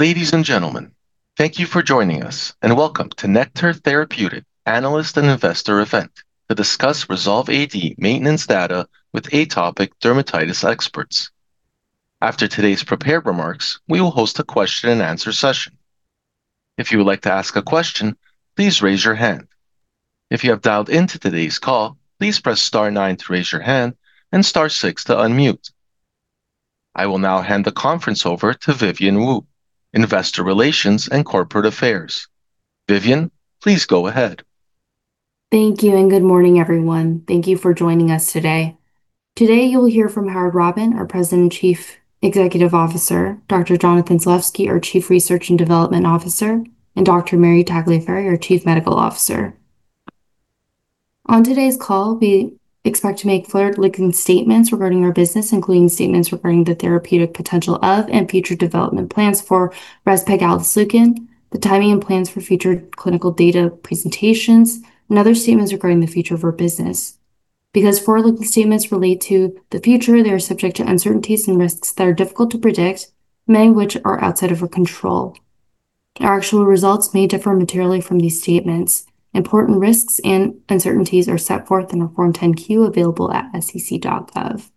Ladies and gentlemen, thank you for joining us, and welcome to Nektar Therapeutics analyst and investor event, to discuss Resolve AD maintenance data with atopic dermatitis experts. After today's prepared remarks, we will host a question-and-answer session. If you would like to ask a question, please raise your hand. If you have dialed into today's call, please press star 9 to raise your hand and star 6 to unmute. I will now hand the conference over to Vivian Wu, Investor Relations and Corporate Affairs. Vivian, please go ahead. Thank you, and good morning, everyone. Thank you for joining us today. Today you'll hear from Howard Robin, our President Chief Executive Officer, Dr. Jonathan Zalevsky, our Chief Research and Development Officer, and Dr. Mary Tagliaferri, our Chief Medical Officer. On today's call, we expect to make forward-looking statements regarding our business, including statements regarding the therapeutic potential of and future development plans for rezpegaldesleukin, the timing and plans for future clinical data presentations, and other statements regarding the future of our business. Because forward-looking statements relate to the future, they are subject to uncertainties and risks that are difficult to predict, many of which are outside of our control. Our actual results may differ materially from these statements. Important risks and uncertainties are set forth in our Form 10-Q available at SEC.gov.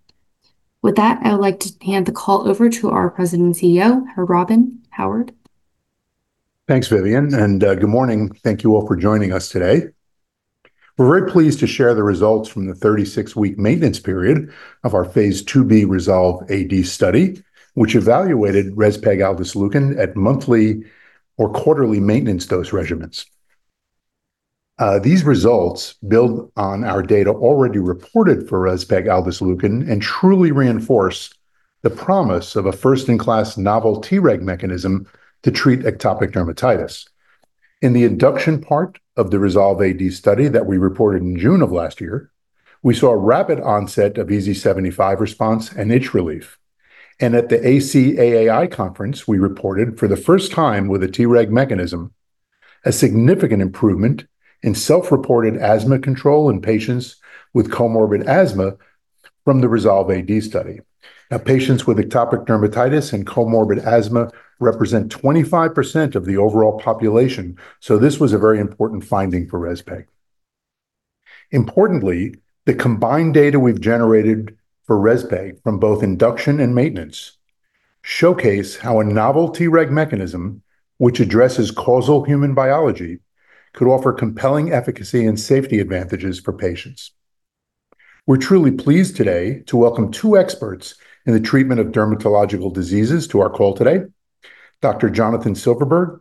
With that, I would like to hand the call over to our President and CEO, Howard Robin. Howard? Thanks, Vivian, and good morning. Thank you all for joining us today. We're very pleased to share the results from the 36-week maintenance period of our phase 2b Resolve AD study, which evaluated rezpegaldesleukin at monthly or quarterly maintenance dose regimens. These results build on our data already reported for rezpegaldesleukin and truly reinforce the promise of a first-in-class novel TREG mechanism to treat atopic dermatitis. In the induction part of the Resolve AD study that we reported in June of last year, we saw a rapid onset of EASI-75 response and itch relief. At the ACAAI conference, we reported, for the first time with a TREG mechanism, a significant improvement in self-reported asthma control in patients with comorbid asthma from the Resolve AD study. Now, patients with atopic dermatitis and comorbid asthma represent 25% of the overall population, so this was a very important finding for rezpegaldesleukin. Importantly, the combined data we've generated for RezPEG from both induction and maintenance showcase how a novel TREG mechanism, which addresses causal human biology, could offer compelling efficacy and safety advantages for patients. We're truly pleased today to welcome two experts in the treatment of dermatological diseases to our call today: Dr. Jonathan Silverberg,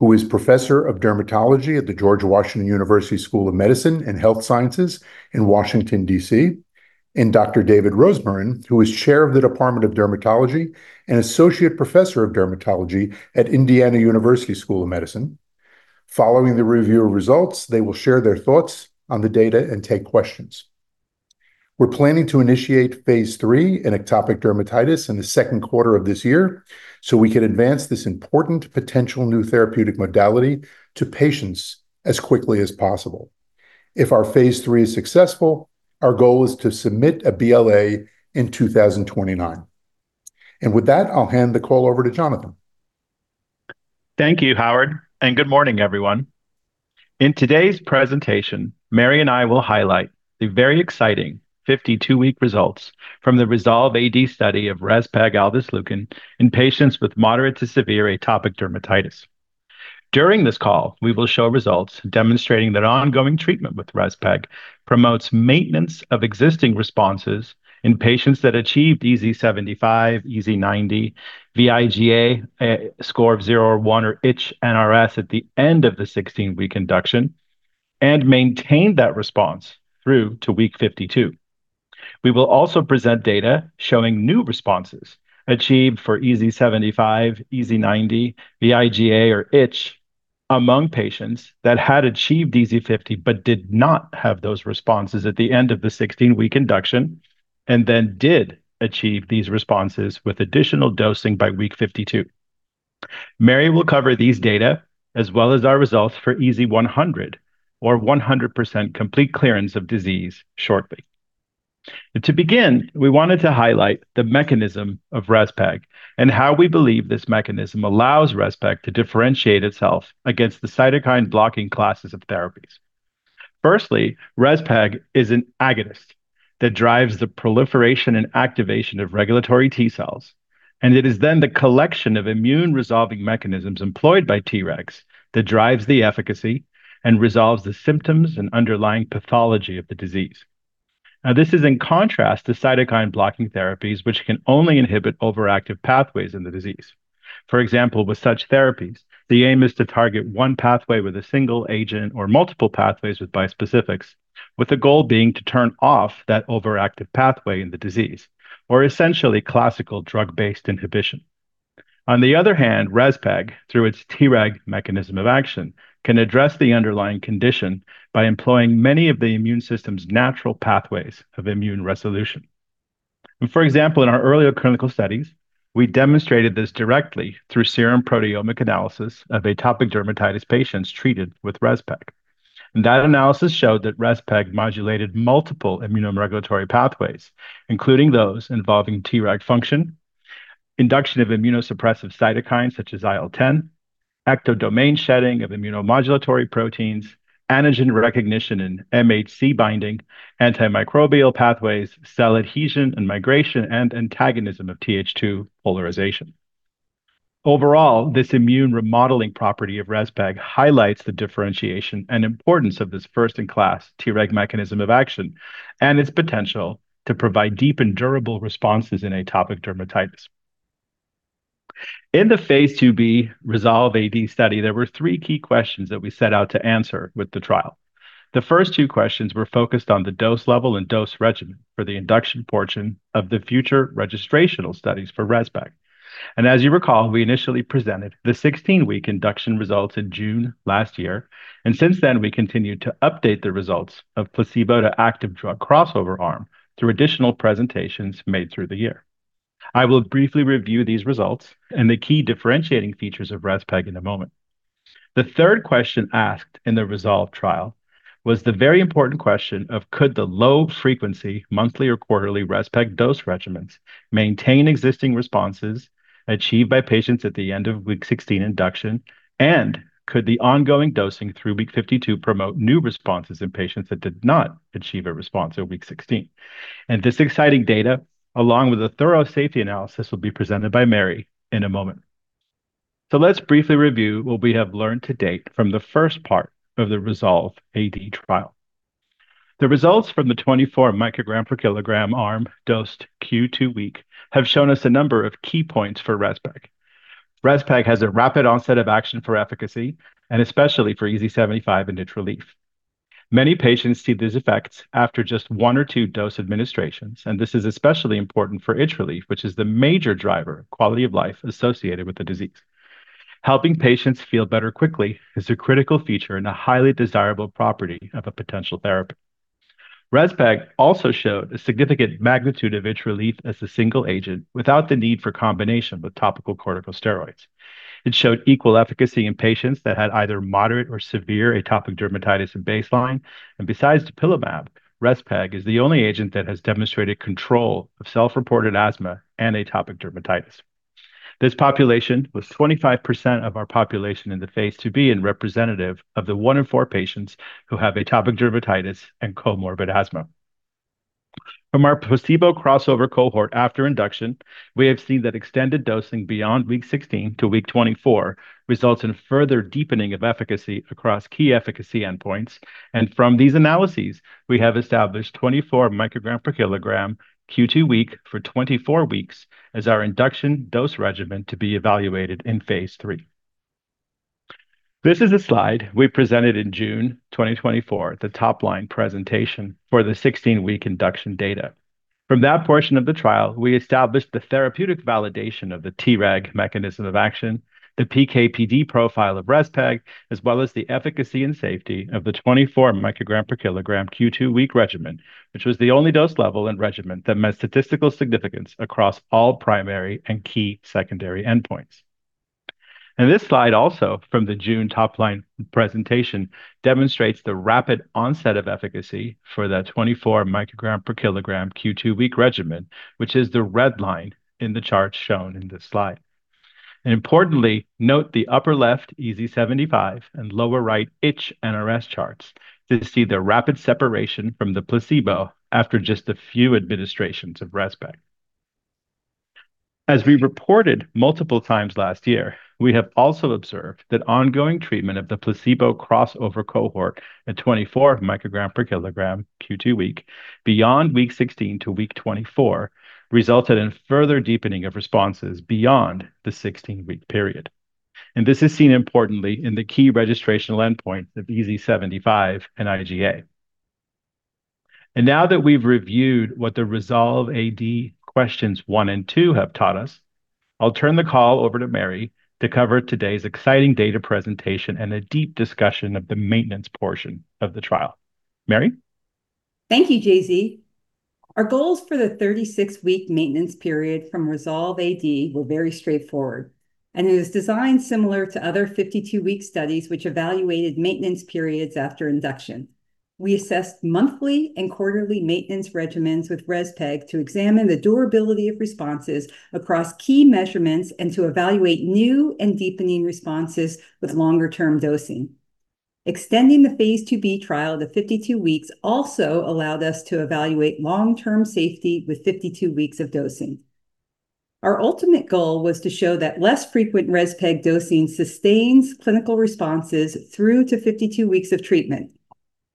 who is Professor of Dermatology at the George Washington University School of Medicine and Health Sciences in Washington, D.C., and Dr. David Rosmarin, who is Chair of the Department of Dermatology and Associate Professor of Dermatology at Indiana University School of Medicine. Following the review of results, they will share their thoughts on the data and take questions. We're planning to initiate phase 3 in atopic dermatitis in the second quarter of this year so we can advance this important potential new therapeutic modality to patients as quickly as possible. If our Phase 3 is successful, our goal is to submit a BLA in 2029. With that, I'll hand the call over to Jonathan. Thank you, Howard, and good morning, everyone. In today's presentation, Mary and I will highlight the very exciting 52-week results from the Resolve AD study of rezpegaldesleukin in patients with moderate to severe atopic dermatitis. During this call, we will show results demonstrating that ongoing treatment with ResPEG promotes maintenance of existing responses in patients that achieved EASI-75, EASI-90, vIGA score of 0 or 1, or itch NRS at the end of the 16-week induction, and maintained that response through to week 52. We will also present data showing new responses achieved for EASI-75, EASI-90, vIGA, or itch among patients that had achieved EASI-50 but did not have those responses at the end of the 16-week induction and then did achieve these responses with additional dosing by week 52. Mary will cover these data as well as our results for EASI-100, or 100% complete clearance of disease, shortly. To begin, we wanted to highlight the mechanism of ResPEG and how we believe this mechanism allows ResPEG to differentiate itself against the cytokine-blocking classes of therapies. Firstly, ResPEG is an agonist that drives the proliferation and activation of regulatory T cells, and it is then the collection of immune-resolving mechanisms employed by TREGs that drives the efficacy and resolves the symptoms and underlying pathology of the disease. Now, this is in contrast to cytokine-blocking therapies, which can only inhibit overactive pathways in the disease. For example, with such therapies, the aim is to target one pathway with a single agent or multiple pathways with bispecifics, with the goal being to turn off that overactive pathway in the disease, or essentially classical drug-based inhibition. On the other hand, ResPEG, through its TREG mechanism of action, can address the underlying condition by employing many of the immune system's natural pathways of immune resolution. For example, in our earlier clinical studies, we demonstrated this directly through serum proteomic analysis of atopic dermatitis patients treated with ResPEG. That analysis showed that ResPEG modulated multiple immunoregulatory pathways, including those involving TREG function, induction of immunosuppressive cytokines such as IL-10, ectodomain shedding of immunomodulatory proteins, antigen recognition and MHC binding, antimicrobial pathways, cell adhesion and migration, and antagonism of Th2 polarization. Overall, this immune remodeling property of ResPEG highlights the differentiation and importance of this first-in-class TREG mechanism of action and its potential to provide deep and durable responses in atopic dermatitis. In the phase 2b Resolve AD study, there were three key questions that we set out to answer with the trial. The first two questions were focused on the dose level and dose regimen for the induction portion of the future registrational studies for ResPEG. As you recall, we initially presented the 16-week induction results in June last year, and since then we continued to update the results of placebo-to-active drug crossover arm through additional presentations made through the year. I will briefly review these results and the key differentiating features of ResPEG in a moment. The third question asked in the Resolve trial was the very important question of could the low-frequency, monthly or quarterly, ResPEG dose regimens maintain existing responses achieved by patients at the end of week 16 induction, and could the ongoing dosing through week 52 promote new responses in patients that did not achieve a response at week 16. This exciting data, along with a thorough safety analysis, will be presented by Mary in a moment. Let's briefly review what we have learned to date from the first part of the Resolve AD trial. The results from the 24 microgram per kilogram arm dosed Q2 week have shown us a number of key points for ResPEG. ResPEG has a rapid onset of action for efficacy, and especially for EZ75 and itch relief. Many patients see these effects after just one or two dose administrations, and this is especially important for itch relief, which is the major driver of quality of life associated with the disease. Helping patients feel better quickly is a critical feature and a highly desirable property of a potential therapy. ResPEG also showed a significant magnitude of itch relief as a single agent without the need for combination with topical corticosteroids. It showed equal efficacy in patients that had either moderate or severe atopic dermatitis at baseline, and besides dupilumab, ResPEG is the only agent that has demonstrated control of self-reported asthma and atopic dermatitis. This population was 25% of our population in the Phase 2b and representative of the 1 in 4 patients who have atopic dermatitis and comorbid asthma. From our placebo crossover cohort after induction, we have seen that extended dosing beyond week 16 to week 24 results in further deepening of efficacy across key efficacy endpoints, and from these analyses, we have established 24 microgram per kilogram Q2 week for 24 weeks as our induction dose regimen to be evaluated in Phase 3. This is a slide we presented in June 2024, the top-line presentation for the 16-week induction data. From that portion of the trial, we established the therapeutic validation of the Treg mechanism of action, the PK/PD profile of ResPEG, as well as the efficacy and safety of the 24 microgram per kilogram Q2 week regimen, which was the only dose level and regimen that met statistical significance across all primary and key secondary endpoints. This slide also, from the June top-line presentation, demonstrates the rapid onset of efficacy for the 24 microgram per kilogram Q2 week regimen, which is the red line in the chart shown in this slide. Importantly, note the upper left EASI-75 and lower right Itch NRS charts to see the rapid separation from the placebo after just a few administrations of ResPEG. As we reported multiple times last year, we have also observed that ongoing treatment of the placebo crossover cohort at 24 microgram per kilogram Q2 week beyond week 16 to week 24 resulted in further deepening of responses beyond the 16-week period. This is seen importantly in the key registrational endpoints of EASI-75 and IGA. Now that we've reviewed what the Resolve AD questions 1 and 2 have taught us, I'll turn the call over to Mary to cover today's exciting data presentation and a deep discussion of the maintenance portion of the trial. Mary? Thank you, JZ. Our goals for the 36-week maintenance period from Resolve AD were very straightforward, and it was designed similar to other 52-week studies which evaluated maintenance periods after induction. We assessed monthly and quarterly maintenance regimens with ResPEG to examine the durability of responses across key measurements and to evaluate new and deepening responses with longer-term dosing. Extending the Phase 2b trial to 52 weeks also allowed us to evaluate long-term safety with 52 weeks of dosing. Our ultimate goal was to show that less frequent ResPEG dosing sustains clinical responses through to 52 weeks of treatment.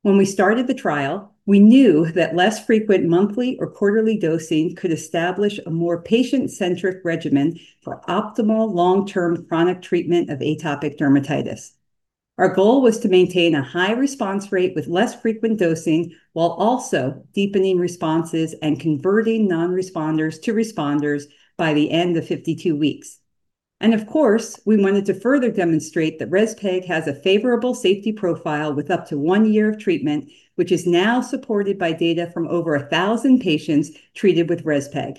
When we started the trial, we knew that less frequent monthly or quarterly dosing could establish a more patient-centric regimen for optimal long-term chronic treatment of atopic dermatitis. Our goal was to maintain a high response rate with less frequent dosing while also deepening responses and converting non-responders to responders by the end of 52 weeks. And of course, we wanted to further demonstrate that ResPEG has a favorable safety profile with up to one year of treatment, which is now supported by data from over 1,000 patients treated with ResPEG.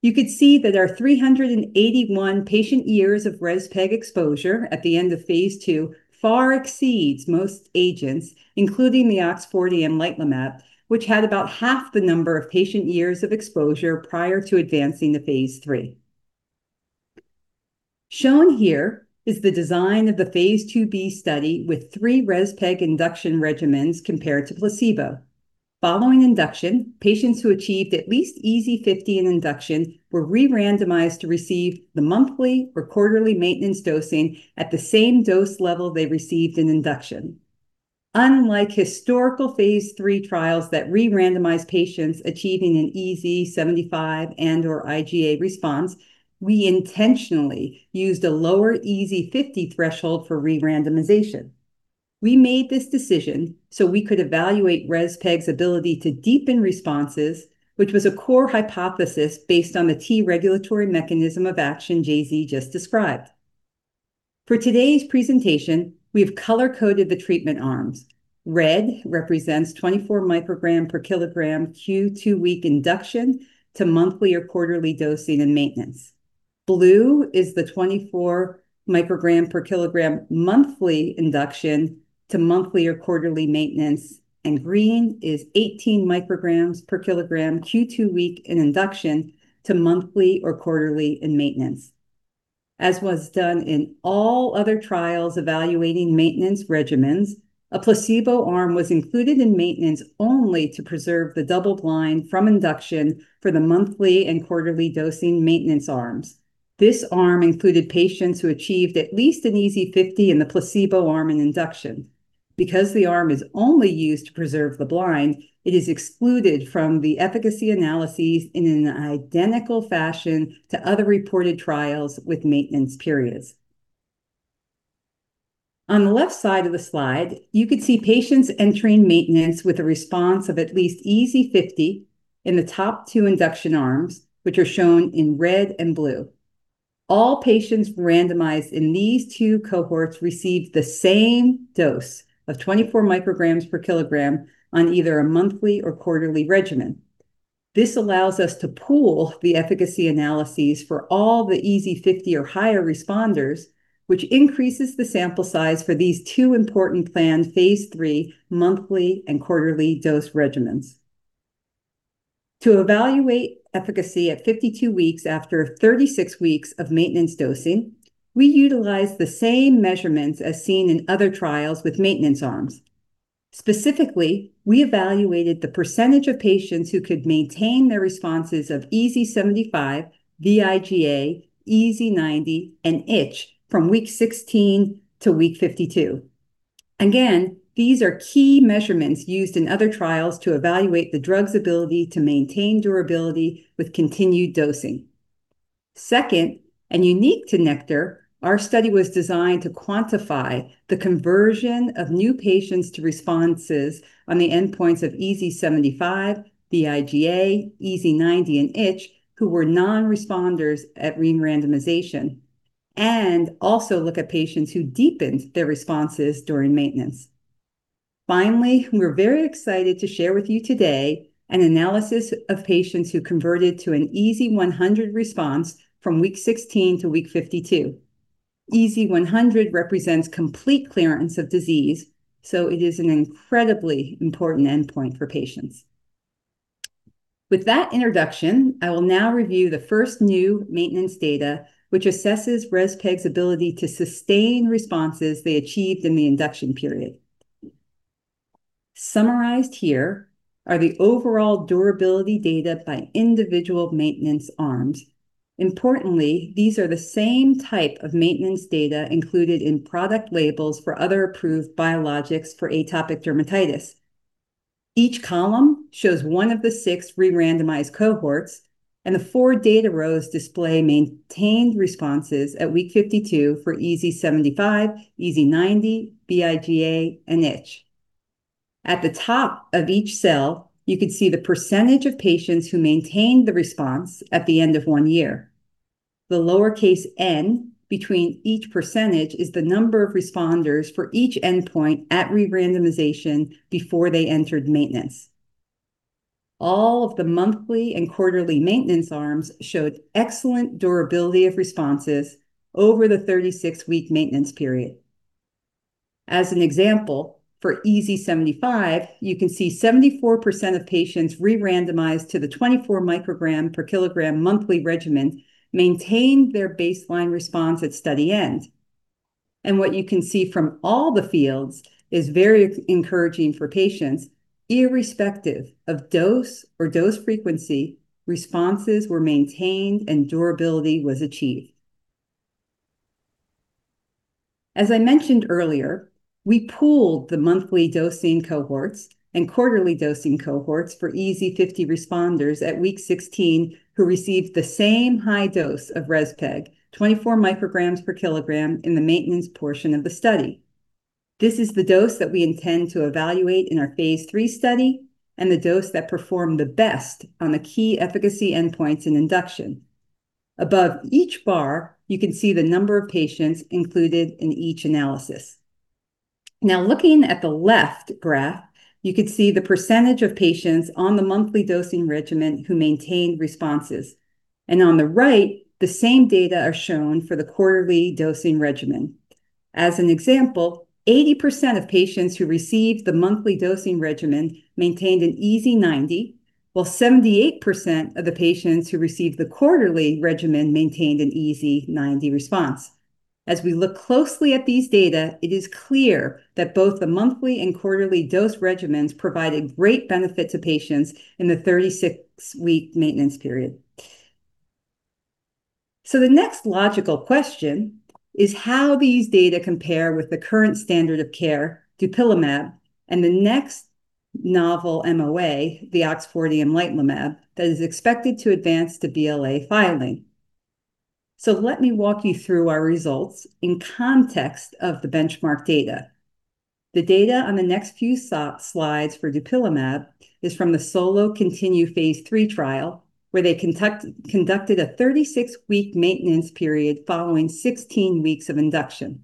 You could see that our 381 patient years of ResPEG exposure at the end of Phase 2 far exceeds most agents, including the amlitelimab, which had about half the number of patient years of exposure prior to advancing to Phase 3. Shown here is the design of the Phase 2b study with three ResPEG induction regimens compared to placebo. Following induction, patients who achieved at least EZ50 in induction were re-randomized to receive the monthly or quarterly maintenance dosing at the same dose level they received in induction. Unlike historical phase 3 trials that re-randomized patients achieving an EZ75 and/or IGA response, we intentionally used a lower EZ50 threshold for re-randomization. We made this decision so we could evaluate ResPEG's ability to deepen responses, which was a core hypothesis based on the T regulatory mechanism of action Jay-Z just described. For today's presentation, we have color-coded the treatment arms. Red represents 24 microgram per kilogram Q2 week induction to monthly or quarterly dosing and maintenance. Blue is the 24 microgram per kilogram monthly induction to monthly or quarterly maintenance, and green is 18 micrograms per kilogram Q2 week in induction to monthly or quarterly in maintenance. As was done in all other trials evaluating maintenance regimens, a placebo arm was included in maintenance only to preserve the double blind from induction for the monthly and quarterly dosing maintenance arms. This arm included patients who achieved at least an EASI-50 in the placebo arm in induction. Because the arm is only used to preserve the blind, it is excluded from the efficacy analyses in an identical fashion to other reported trials with maintenance periods. On the left side of the slide, you could see patients entering maintenance with a response of at least EASI-50 in the top two induction arms, which are shown in red and blue. All patients randomized in these two cohorts received the same dose of 24 micrograms per kilogram on either a monthly or quarterly regimen. This allows us to pool the efficacy analyses for all the EASI-50 or higher responders, which increases the sample size for these two important planned Phase 3 monthly and quarterly dose regimens. To evaluate efficacy at 52 weeks after 36 weeks of maintenance dosing, we utilized the same measurements as seen in other trials with maintenance arms. Specifically, we evaluated the percentage of patients who could maintain their responses of EASI-75, vIGA, EASI-90, and itch from week 16 to week 52. Again, these are key measurements used in other trials to evaluate the drug's ability to maintain durability with continued dosing. Second, and unique to Nektar, our study was designed to quantify the conversion of new patients to responses on the endpoints of EASI-75, vIGA, EASI-90, and itch who were non-responders at re-randomization, and also look at patients who deepened their responses during maintenance. Finally, we're very excited to share with you today an analysis of patients who converted to an EZ100 response from week 16 to week 52. EZ100 represents complete clearance of disease, so it is an incredibly important endpoint for patients. With that introduction, I will now review the first new maintenance data, which assesses rezpegaldesleukin's ability to sustain responses they achieved in the induction period. Summarized here are the overall durability data by individual maintenance arms. Importantly, these are the same type of maintenance data included in product labels for other approved biologics for atopic dermatitis. Each column shows one of the six re-randomized cohorts, and the four data rows display maintained responses at week 52 for EZ75, EZ90, vIGA, and itch. At the top of each cell, you could see the percentage of patients who maintained the response at the end of one year. The lowercase n between each percentage is the number of responders for each endpoint at re-randomization before they entered maintenance. All of the monthly and quarterly maintenance arms showed excellent durability of responses over the 36-week maintenance period. As an example, for EASI-75, you can see 74% of patients re-randomized to the 24 microgram per kilogram monthly regimen maintained their baseline response at study end. And what you can see from all the fields is very encouraging for patients: irrespective of dose or dose frequency, responses were maintained and durability was achieved. As I mentioned earlier, we pooled the monthly dosing cohorts and quarterly dosing cohorts for EASI-50 responders at week 16 who received the same high dose of ResPEG, 24 micrograms per kilogram, in the maintenance portion of the study. This is the dose that we intend to evaluate in our Phase 3 study and the dose that performed the best on the key efficacy endpoints in induction. Above each bar, you can see the number of patients included in each analysis. Now, looking at the left graph, you could see the percentage of patients on the monthly dosing regimen who maintained responses. On the right, the same data are shown for the quarterly dosing regimen. As an example, 80% of patients who received the monthly dosing regimen maintained an EZ90, while 78% of the patients who received the quarterly regimen maintained an EZ90 response. As we look closely at these data, it is clear that both the monthly and quarterly dose regimens provided great benefit to patients in the 36-week maintenance period. So the next logical question is how these data compare with the current standard of care, dupilumab, and the next novel MOA, the amlitelimab, that is expected to advance to BLA filing. So let me walk you through our results in context of the benchmark data. The data on the next few slides for dupilumab is from the SOLO-CONTINUE Phase 3 trial, where they conducted a 36-week maintenance period following 16 weeks of induction.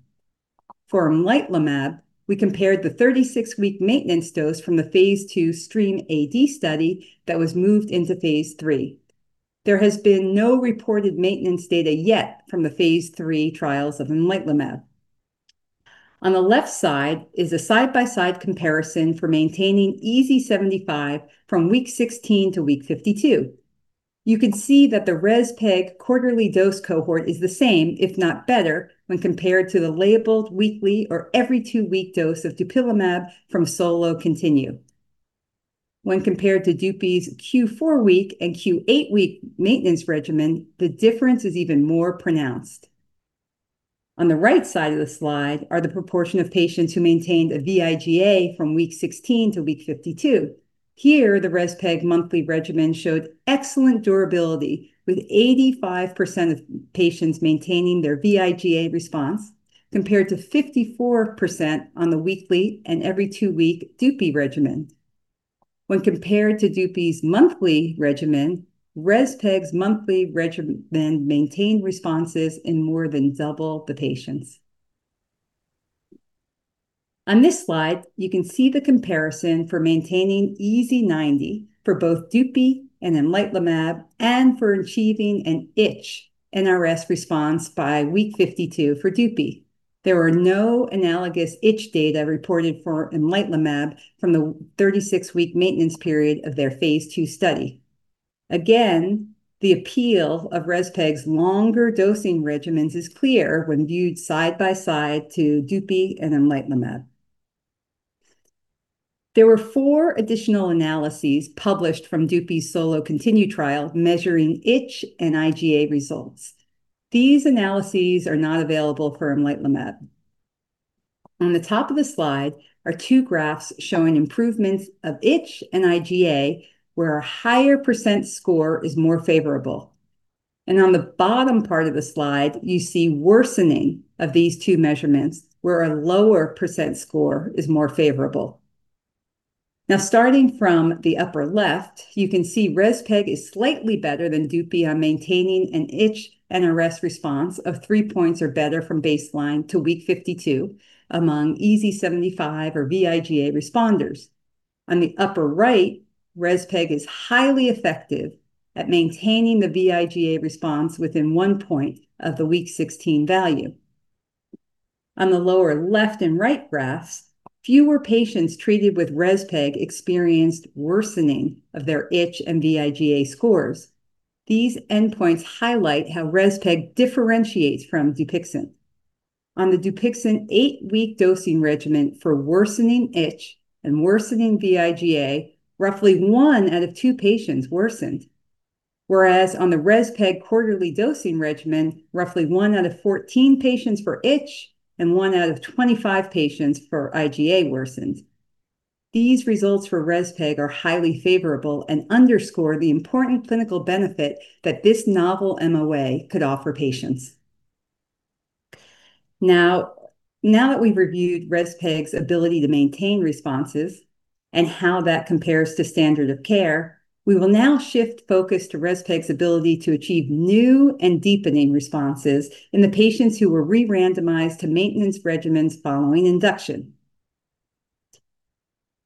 For amlitelimab, we compared the 36-week maintenance dose from the Phase 2 STREAM-AD study that was moved into Phase 3. There has been no reported maintenance data yet from the Phase 3 trials of amlitelimab. On the left side is a side-by-side comparison for maintaining EASI-75 from week 16 to week 52. You can see that the ResPEG quarterly dose cohort is the same, if not better, when compared to the labeled weekly or every two-week dose of dupilumab from SOLO-CONTINUE. When compared to DUPI's Q4 week and Q8 week maintenance regimen, the difference is even more pronounced. On the right side of the slide are the proportion of patients who maintained a vIGA from week 16 to week 52. Here, the ResPEG monthly regimen showed excellent durability with 85% of patients maintaining their vIGA response compared to 54% on the weekly and every two-week DUPI regimen. When compared to DUPI's monthly regimen, ResPEG's monthly regimen maintained responses in more than double the patients. On this slide, you can see the comparison for maintaining EZ90 for both DUPI and amlitelimab and for achieving an itch NRS response by week 52 for DUPI. There were no analogous itch data reported for amlitelimab from the 36-week maintenance period of their Phase 2 study. Again, the appeal of ResPEG's longer dosing regimens is clear when viewed side by side to DUPI and amlitelimab. There were four additional analyses published from DUPI's SOLO-CONTINUE trial measuring itch and IGA results. These analyses are not available for amlitelimab. On the top of the slide are two graphs showing improvements of itch and IGA where a higher % score is more favorable. On the bottom part of the slide, you see worsening of these two measurements where a lower % score is more favorable. Now, starting from the upper left, you can see ResPEG is slightly better than DUPI on maintaining an itch NRS response of three points or better from baseline to week 52 among EZ75 or VIGA responders. On the upper right, ResPEG is highly effective at maintaining the VIGA response within one point of the week 16 value. On the lower left and right graphs, fewer patients treated with ResPEG experienced worsening of their itch and VIGA scores. These endpoints highlight how ResPEG differentiates from Dupixent. On the Dupixent eight-week dosing regimen for worsening itch and worsening VIGA, roughly 1 out of 2 patients worsened. Whereas on the ResPEG quarterly dosing regimen, roughly 1 out of 14 patients for itch and 1 out of 25 patients for IGA worsened. These results for ResPEG are highly favorable and underscore the important clinical benefit that this novel MOA could offer patients. Now that we've reviewed ResPEG's ability to maintain responses and how that compares to standard of care, we will now shift focus to ResPEG's ability to achieve new and deepening responses in the patients who were re-randomized to maintenance regimens following induction.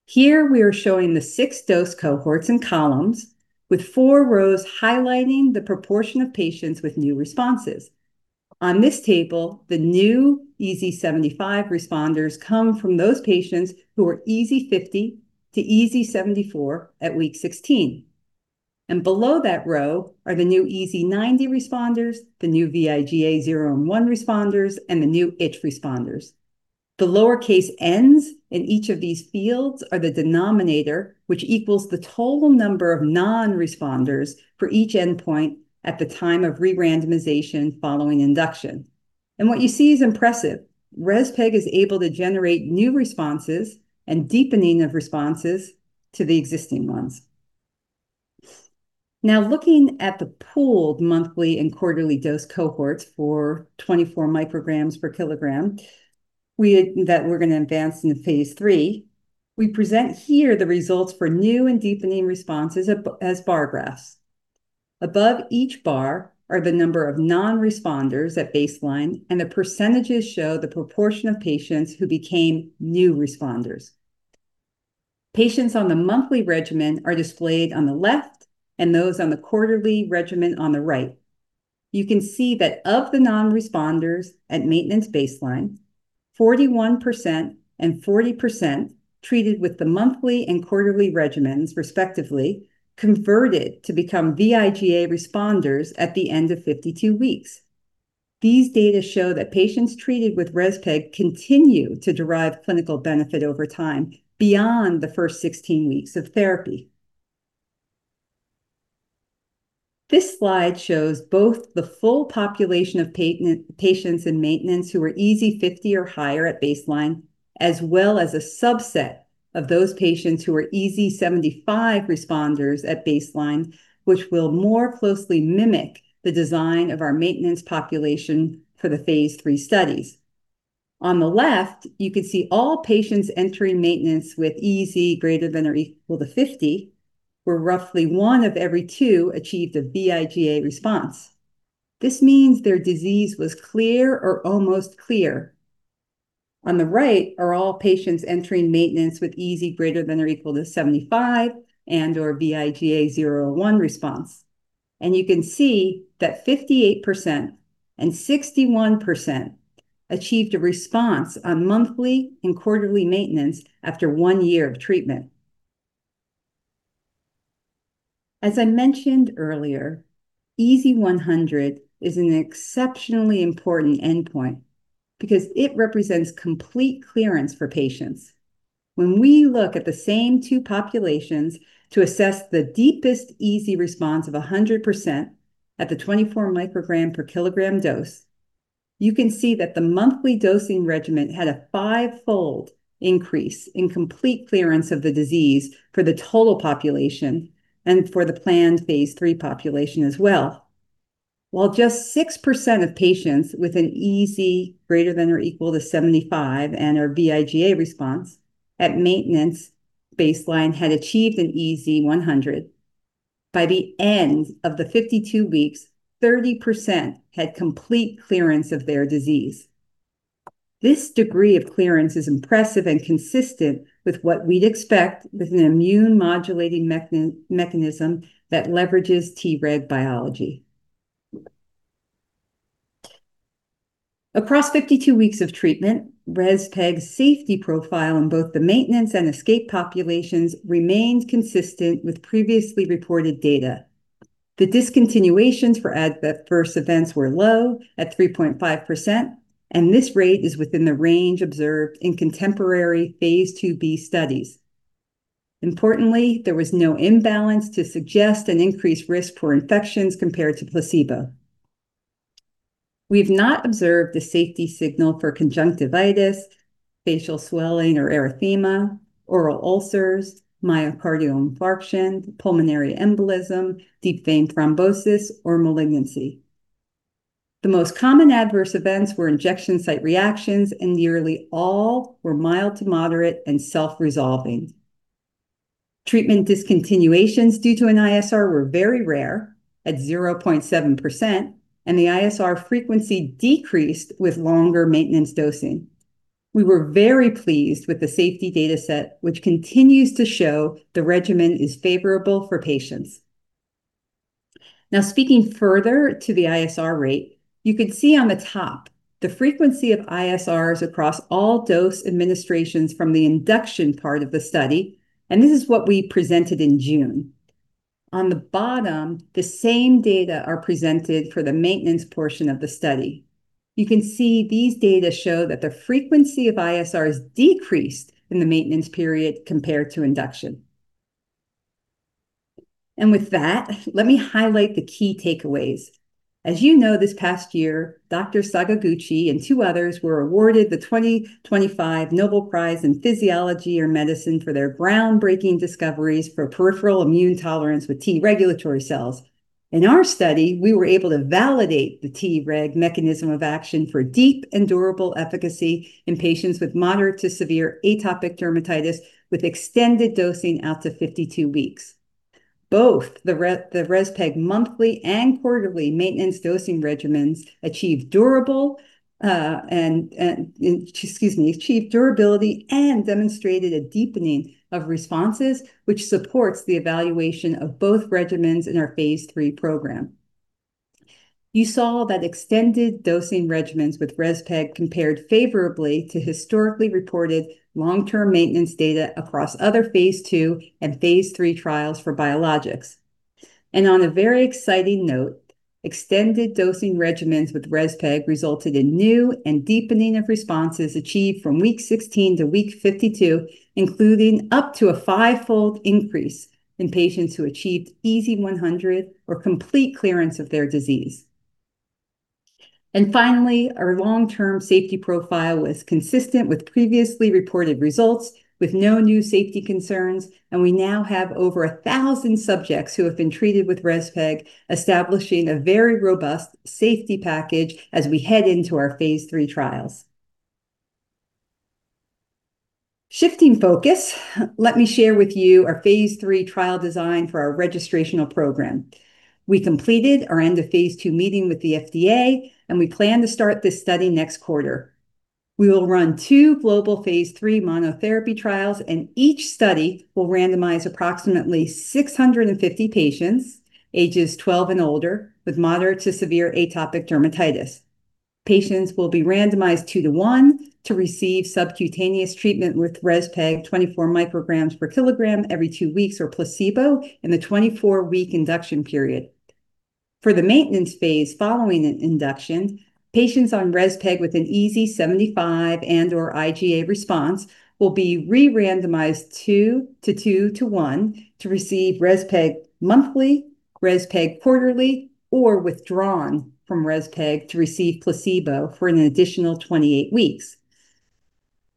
Here, we are showing the 6 dose cohorts in columns with four rows highlighting the proportion of patients with new responses. On this table, the new EZ75 responders come from those patients who were EZ50 to EZ74 at week 16. Below that row are the new EZ90 responders, the new VIGA 0 and 1 responders, and the new itch responders. The lowercase n's in each of these fields are the denominator, which equals the total number of non-responders for each endpoint at the time of re-randomization following induction. What you see is impressive. ResPEG is able to generate new responses and deepening of responses to the existing ones. Now, looking at the pooled monthly and quarterly dose cohorts for 24 micrograms per kilogram that we're going to advance into phase 3, we present here the results for new and deepening responses as bar graphs. Above each bar are the number of non-responders at baseline, and the percentages show the proportion of patients who became new responders. Patients on the monthly regimen are displayed on the left and those on the quarterly regimen on the right. You can see that of the non-responders at maintenance baseline, 41% and 40% treated with the monthly and quarterly regimens, respectively, converted to become vIGA responders at the end of 52 weeks. These data show that patients treated with ResPEG continue to derive clinical benefit over time beyond the first 16 weeks of therapy. This slide shows both the full population of patients in maintenance who were EASI-50 or higher at baseline, as well as a subset of those patients who were EASI-75 responders at baseline, which will more closely mimic the design of our maintenance population for the Phase 3 studies. On the left, you can see all patients entering maintenance with EASI greater than or equal to 50, where roughly one of every two achieved a vIGA response. This means their disease was clear or almost clear. On the right are all patients entering maintenance with EASI greater than or equal to 75 and/or vIGA 0 and 1 response. And you can see that 58% and 61% achieved a response on monthly and quarterly maintenance after one year of treatment. As I mentioned earlier, EASI-100 is an exceptionally important endpoint because it represents complete clearance for patients. When we look at the same two populations to assess the deepest EZ response of 100% at the 24 microgram per kilogram dose, you can see that the monthly dosing regimen had a five-fold increase in complete clearance of the disease for the total population and for the planned Phase 3 population as well. While just 6% of patients with an EZ greater than or equal to 75 and/or VIGA response at maintenance baseline had achieved an EZ100, by the end of the 52 weeks, 30% had complete clearance of their disease. This degree of clearance is impressive and consistent with what we'd expect with an immune-modulating mechanism that leverages Treg biology. Across 52 weeks of treatment, RezPEG's safety profile in both the maintenance and escape populations remained consistent with previously reported data. The discontinuations for adverse events were low at 3.5%, and this rate is within the range observed in contemporary Phase 2b studies. Importantly, there was no imbalance to suggest an increased risk for infections compared to placebo. We have not observed a safety signal for conjunctivitis, facial swelling or erythema, oral ulcers, myocardial infarction, pulmonary embolism, deep vein thrombosis, or malignancy. The most common adverse events were injection site reactions, and nearly all were mild to moderate and self-resolving. Treatment discontinuations due to an ISR were very rare at 0.7%, and the ISR frequency decreased with longer maintenance dosing. We were very pleased with the safety dataset, which continues to show the regimen is favorable for patients. Now, speaking further to the ISR rate, you could see on the top the frequency of ISRs across all dose administrations from the induction part of the study, and this is what we presented in June. On the bottom, the same data are presented for the maintenance portion of the study. You can see these data show that the frequency of ISRs decreased in the maintenance period compared to induction. And with that, let me highlight the key takeaways. As you know, this past year, Dr. Sakaguchi and two others were awarded the 2025 Nobel Prize in Physiology or Medicine for their groundbreaking discoveries for peripheral immune tolerance with T regulatory cells. In our study, we were able to validate the Treg mechanism of action for deep and durable efficacy in patients with moderate to severe atopic dermatitis with extended dosing out to 52 weeks. Both the ResPEG monthly and quarterly maintenance dosing regimens achieved durability and demonstrated a deepening of responses, which supports the evaluation of both regimens in our Phase 3 program. You saw that extended dosing regimens with ResPEG compared favorably to historically reported long-term maintenance data across other Phase 2 and Phase 3 trials for biologics. And on a very exciting note, extended dosing regimens with ResPEG resulted in new and deepening of responses achieved from week 16 to week 52, including up to a five-fold increase in patients who achieved EZ100 or complete clearance of their disease. And finally, our long-term safety profile was consistent with previously reported results with no new safety concerns, and we now have over 1,000 subjects who have been treated with ResPEG, establishing a very robust safety package as we head into our Phase 3 trials. Shifting focus, let me share with you our phase 3 trial design for our registration program. We completed our end-of-phase 2 meeting with the FDA, and we plan to start this study next quarter. We will run two global phase 3 monotherapy trials, and each study will randomize approximately 650 patients, ages 12 and older, with moderate to severe atopic dermatitis. Patients will be randomized 2:1 to receive subcutaneous treatment with ResPEG 24 micrograms per kilogram every 2 weeks or placebo in the 24-week induction period. For the maintenance phase following induction, patients on ResPEG with an EZ75 and/or IGA response will be re-randomized 2:2:1 to receive ResPEG monthly, ResPEG quarterly, or withdrawn from ResPEG to receive placebo for an additional 28 weeks.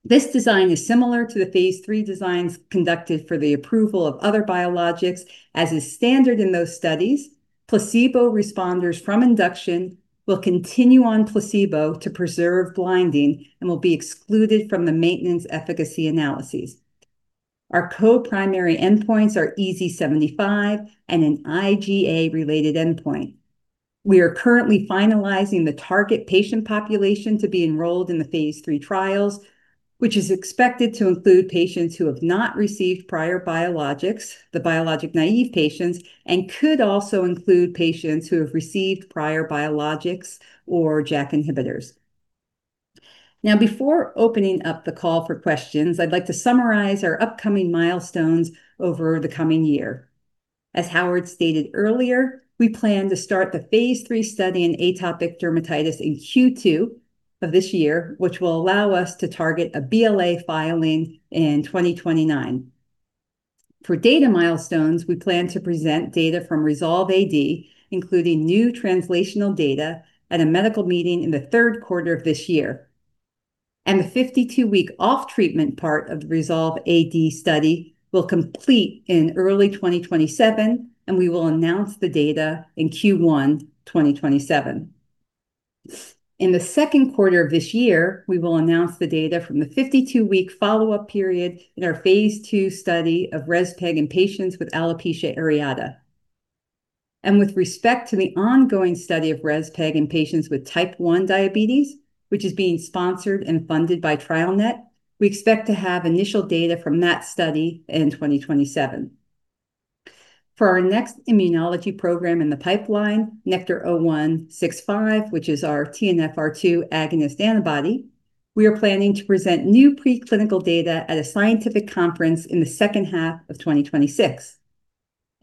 This design is similar to the Phase 3 designs conducted for the approval of other biologics, as is standard in those studies. Placebo responders from induction will continue on placebo to preserve blinding and will be excluded from the maintenance efficacy analyses. Our co-primary endpoints are EZ75 and an IGA-related endpoint. We are currently finalizing the target patient population to be enrolled in the Phase 3 trials, which is expected to include patients who have not received prior biologics, the biologic-naïve patients, and could also include patients who have received prior biologics or JAK inhibitors. Now, before opening up the call for questions, I'd like to summarize our upcoming milestones over the coming year. As Howard stated earlier, we plan to start the Phase 3 study in atopic dermatitis in Q2 of this year, which will allow us to target a BLA filing in 2029. For data milestones, we plan to present data from Resolve AD, including new translational data, at a medical meeting in the third quarter of this year. The 52-week off-treatment part of the Resolve AD study will complete in early 2027, and we will announce the data in Q1 2027. In the second quarter of this year, we will announce the data from the 52-week follow-up period in our Phase 2 study of ResPEG in patients with alopecia areata. With respect to the ongoing study of ResPEG in patients with type 1 diabetes, which is being sponsored and funded by TrialNet, we expect to have initial data from that study in 2027. For our next immunology program in the pipeline, NKTR-0165, which is our TNFR2 agonist antibody, we are planning to present new preclinical data at a scientific conference in the second half of 2026.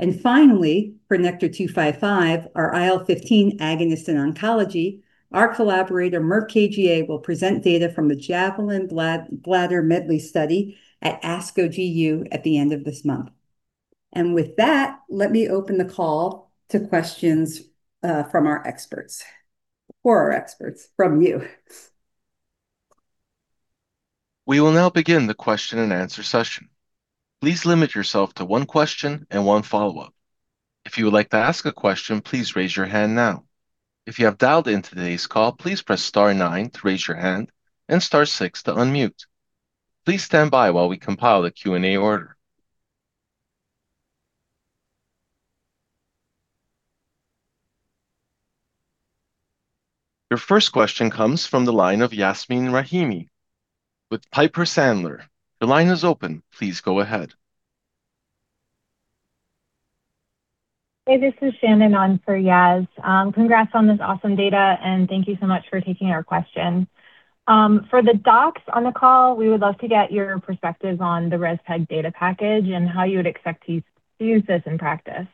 And finally, for NKTR-255, our IL-15 agonist in oncology, our collaborator Merck KGaA will present data from the JAVELIN Bladder Medley study at ASCO GU at the end of this month. And with that, let me open the call to questions from our experts for our experts from you. We will now begin the question-and-answer session. Please limit yourself to one question and one follow-up. If you would like to ask a question, please raise your hand now. If you have dialed into today's call, please press star 9 to raise your hand and star 6 to unmute. Please stand by while we compile the Q&A order. Your first question comes from the line of Yasmeen Rahimi with Piper Sandler. Your line is open. Please go ahead. Hey, this is Shannon on for Yaz. Congrats on this awesome data, and thank you so much for taking our question. For the docs on the call, we would love to get your perspectives on the ResPEG data package and how you would expect to use this in practice.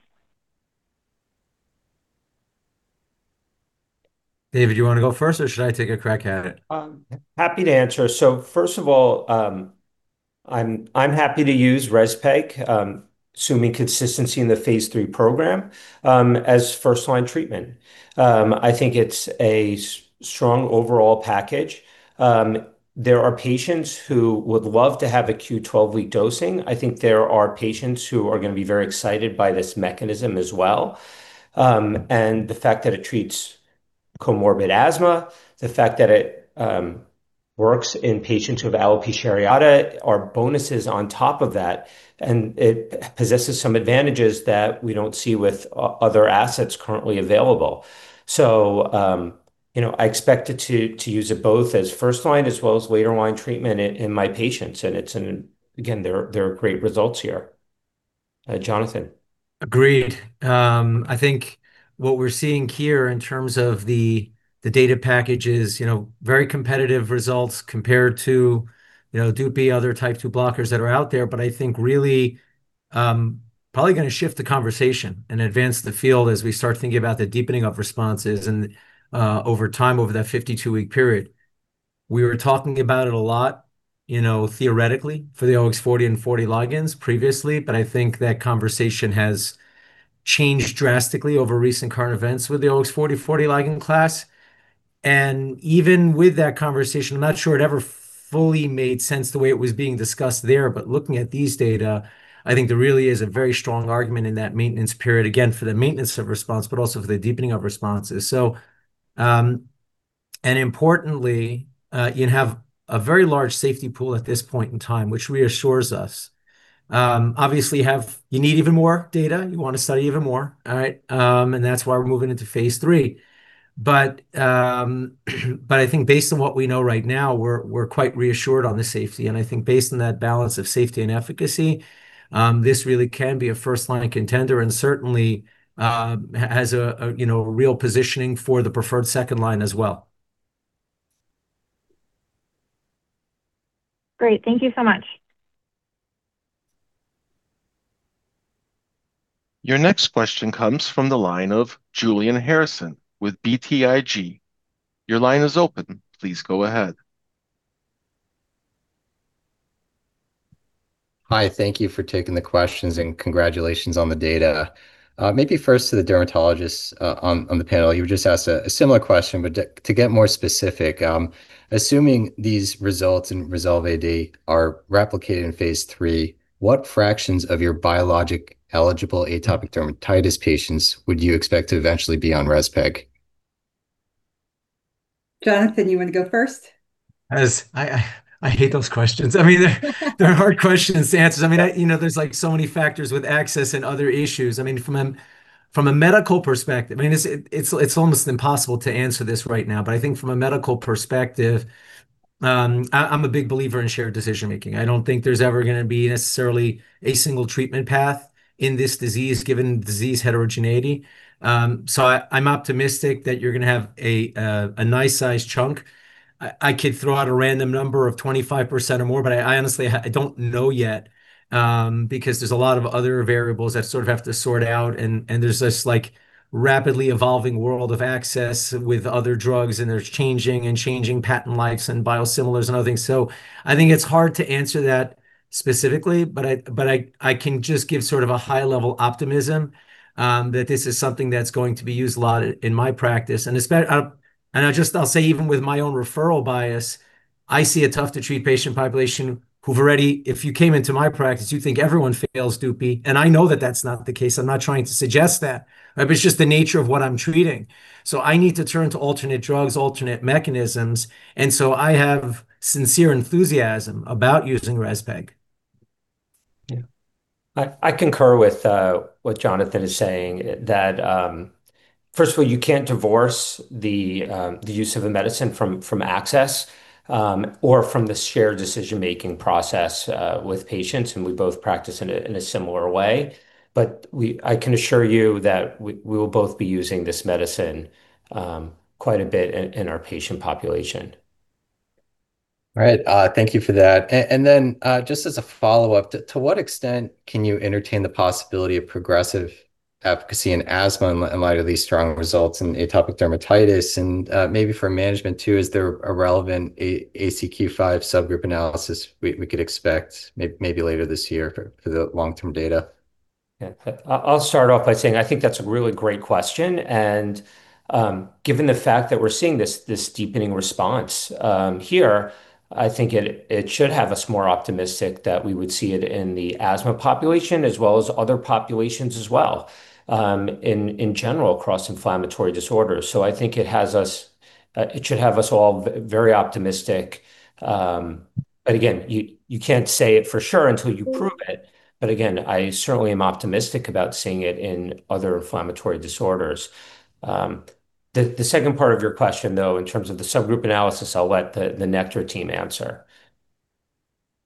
David, do you want to go first, or should I take a crack at it? Happy to answer. So first of all, I'm happy to use ResPEG, assuming consistency in the Phase 3 program, as first-line treatment. I think it's a strong overall package. There are patients who would love to have a Q12-week dosing. I think there are patients who are going to be very excited by this mechanism as well. And the fact that it treats comorbid asthma, the fact that it works in patients who have Alopecia areata, are bonuses on top of that, and it possesses some advantages that we don't see with other assets currently available. So I expect it to use it both as first-line as well as later-line treatment in my patients, and again, there are great results here. Jonathan? Agreed. I think what we're seeing here in terms of the data package is very competitive results compared to Dupixent other type 2 blockers that are out there, but I think really probably going to shift the conversation and advance the field as we start thinking about the deepening of responses over time over that 52-week period. We were talking about it a lot theoretically for the OX40 and OX40 ligands previously, but I think that conversation has changed drastically over recent current events with the OX40-OX40 ligand class. And even with that conversation, I'm not sure it ever fully made sense the way it was being discussed there, but looking at these data, I think there really is a very strong argument in that maintenance period, again, for the maintenance of response, but also for the deepening of responses. Importantly, you have a very large safety pool at this point in time, which reassures us. Obviously, you need even more data. You want to study even more, all right? That's why we're moving into phase 3. But I think based on what we know right now, we're quite reassured on the safety. And I think based on that balance of safety and efficacy, this really can be a first-line contender and certainly has a real positioning for the preferred second line as well. Great. Thank you so much. Your next question comes from the line of Julian Harrison with BTIG. Your line is open. Please go ahead. Hi. Thank you for taking the questions and congratulations on the data. Maybe first to the dermatologists on the panel. You were just asked a similar question, but to get more specific, assuming these results in Resolve AD are replicated in phase 3, what fractions of your biologic-eligible atopic dermatitis patients would you expect to eventually be on ResPEG? Jonathan, do you want to go first? I hate those questions. I mean, they're hard questions to answer. I mean, there's so many factors with access and other issues. I mean, from a medical perspective, I mean, it's almost impossible to answer this right now, but I think from a medical perspective, I'm a big believer in shared decision-making. I don't think there's ever going to be necessarily a single treatment path in this disease given disease heterogeneity. So I'm optimistic that you're going to have a nice-sized chunk. I could throw out a random number of 25% or more, but I honestly don't know yet because there's a lot of other variables that sort of have to sort out. And there's this rapidly evolving world of access with other drugs, and they're changing and changing patent likes and biosimilars and other things. So I think it's hard to answer that specifically, but I can just give sort of a high-level optimism that this is something that's going to be used a lot in my practice. And I'll say even with my own referral bias, I see a tough-to-treat patient population who've already, if you came into my practice, you think everyone fails Dupixent. And I know that that's not the case. I'm not trying to suggest that, but it's just the nature of what I'm treating. So I need to turn to alternate drugs, alternate mechanisms. And so I have sincere enthusiasm about using ResPEG. Yeah. I concur with what Jonathan is saying that, first of all, you can't divorce the use of a medicine from access or from the shared decision-making process with patients. We both practice in a similar way. I can assure you that we will both be using this medicine quite a bit in our patient population. All right. Thank you for that. And then just as a follow-up, to what extent can you entertain the possibility of progressive efficacy in asthma in light of these strong results in atopic dermatitis? And maybe for management too, is there a relevant ACQ-5 subgroup analysis we could expect maybe later this year for the long-term data? Yeah. I'll start off by saying I think that's a really great question. And given the fact that we're seeing this deepening response here, I think it should have us more optimistic that we would see it in the asthma population as well as other populations as well in general cross-inflammatory disorders. So I think it should have us all very optimistic. But again, you can't say it for sure until you prove it. But again, I certainly am optimistic about seeing it in other inflammatory disorders. The second part of your question, though, in terms of the subgroup analysis, I'll let the Nektar team answer.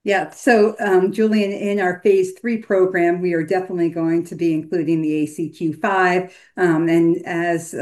Yeah. So Julian, in our Phase 3 program, we are definitely going to be including the ACQ-5. And as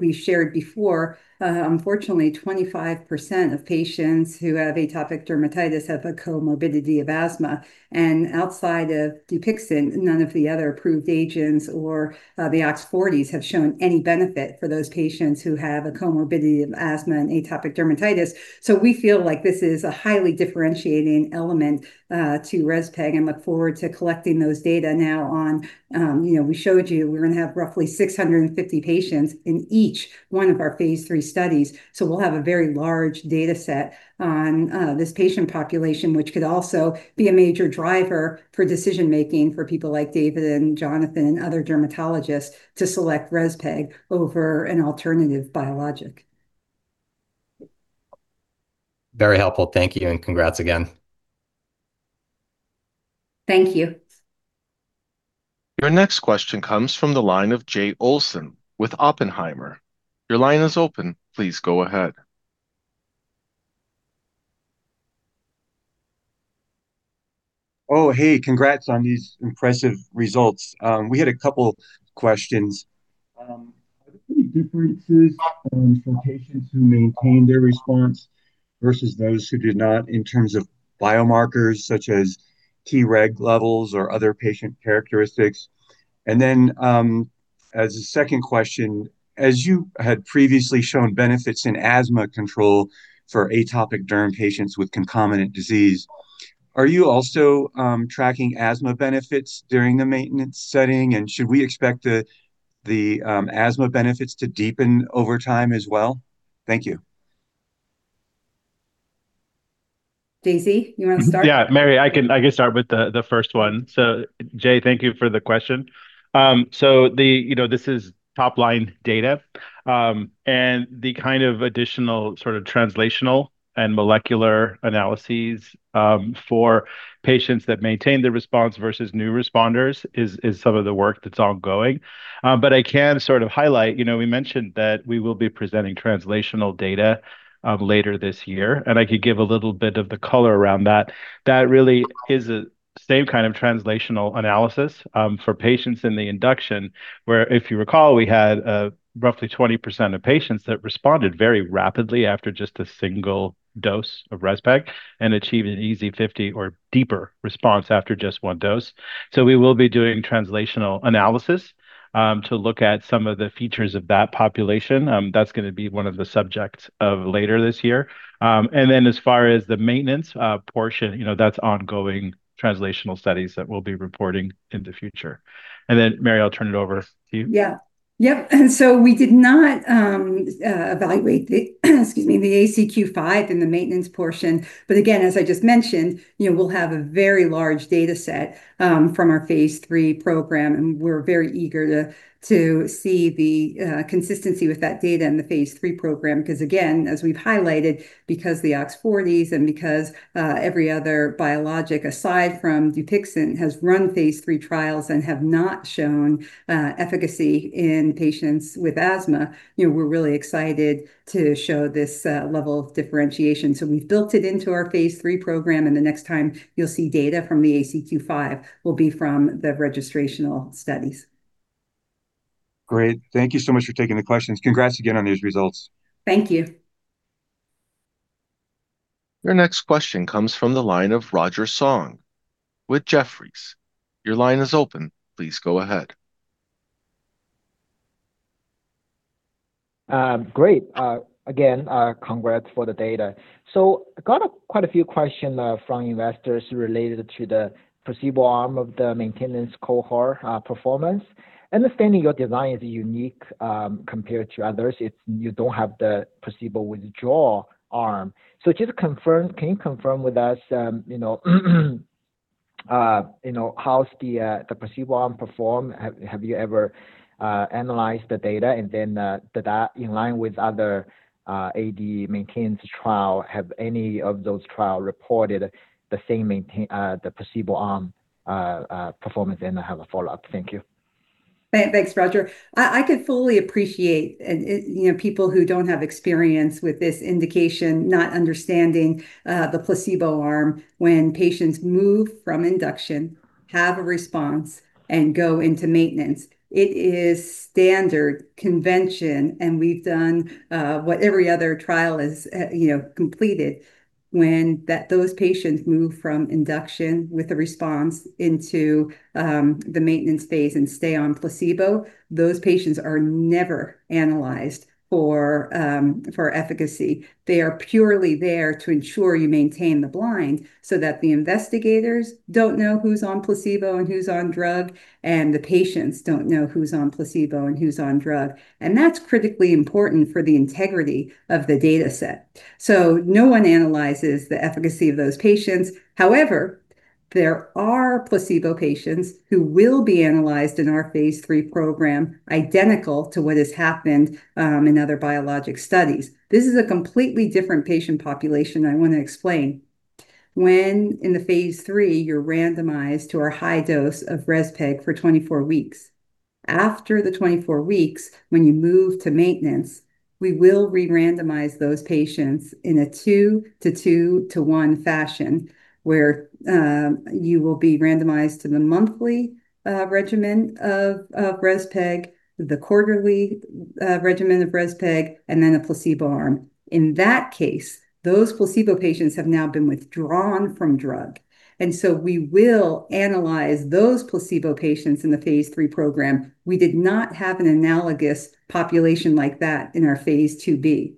we shared before, unfortunately, 25% of patients who have atopic dermatitis have a comorbidity of asthma. And outside of Dupixent, none of the other approved agents or the OX40s have shown any benefit for those patients who have a comorbidity of asthma and atopic dermatitis. So we feel like this is a highly differentiating element to ResPEG and look forward to collecting those data now, as we showed you, we're going to have roughly 650 patients in each one of our Phase 3 studies. So we'll have a very large dataset on this patient population, which could also be a major driver for decision-making for people like David and Jonathan and other dermatologists to select ResPEG over an alternative biologic. Very helpful. Thank you and congrats again. Thank you. Your next question comes from the line of Jay Olson with Oppenheimer. Your line is open. Please go ahead. Oh, hey. Congrats on these impressive results. We had a couple of questions. Are there any differences for patients who maintain their response versus those who did not in terms of biomarkers such as Treg levels or other patient characteristics? And then as a second question, as you had previously shown benefits in asthma control for atopic derm patients with concomitant disease, are you also tracking asthma benefits during the maintenance setting, and should we expect the asthma benefits to deepen over time as well? Thank you. Daisy, you want to start? Yeah. Mary, I can start with the first one. So Jay, thank you for the question. So this is top-line data. And the kind of additional sort of translational and molecular analyses for patients that maintain their response versus new responders is some of the work that's ongoing. But I can sort of highlight we mentioned that we will be presenting translational data later this year. And I could give a little bit of the color around that. That really is the same kind of translational analysis for patients in the induction where, if you recall, we had roughly 20% of patients that responded very rapidly after just a single dose of ResPEG and achieved an EASI-50 or deeper response after just one dose. So we will be doing translational analysis to look at some of the features of that population. That's going to be one of the subjects of later this year. And then as far as the maintenance portion, that's ongoing translational studies that we'll be reporting in the future. And then, Mary, I'll turn it over to you. Yeah. Yep. And so we did not evaluate the, excuse me, the ACQ5 in the maintenance portion. But again, as I just mentioned, we'll have a very large dataset from our Phase 3 program, and we're very eager to see the consistency with that data in the Phase 3 program because, again, as we've highlighted, because the OX40s and because every other biologic aside from Dupixent has run Phase 3 trials and have not shown efficacy in patients with asthma, we're really excited to show this level of differentiation. So we've built it into our Phase 3 program, and the next time you'll see data from the ACQ5 will be from the registrational studies. Great. Thank you so much for taking the questions. Congrats again on these results. Thank you. Your next question comes from the line of Roger Song with Jefferies. Your line is open. Please go ahead. Great. Again, congrats for the data. So I got quite a few questions from investors related to the placebo arm of the maintenance cohort performance. Understanding your design is unique compared to others. You don't have the placebo withdrawal arm. So just can you confirm with us how's the placebo arm performed? Have you ever analyzed the data, and then did that in line with other AD maintenance trials? Have any of those trials reported the same placebo arm performance? And I have a follow-up. Thank you. Thanks, Roger. I could fully appreciate people who don't have experience with this indication not understanding the placebo arm when patients move from induction, have a response, and go into maintenance. It is standard, convention, and we've done what every other trial has completed. When those patients move from induction with a response into the maintenance phase and stay on placebo, those patients are never analyzed for efficacy. They are purely there to ensure you maintain the blind so that the investigators don't know who's on placebo and who's on drug, and the patients don't know who's on placebo and who's on drug. That's critically important for the integrity of the dataset. No one analyzes the efficacy of those patients. However, there are placebo patients who will be analyzed in our Phase 3 program identical to what has happened in other biologic studies. This is a completely different patient population I want to explain. When in the Phase 3, you're randomized to a high dose of ResPEG for 24 weeks. After the 24 weeks, when you move to maintenance, we will rerandomize those patients in a 2 to 2 to 1 fashion where you will be randomized to the monthly regimen of ResPEG, the quarterly regimen of ResPEG, and then a placebo arm. In that case, those placebo patients have now been withdrawn from drug. And so we will analyze those placebo patients in the Phase 3 program. We did not have an analogous population like that in our Phase 2B.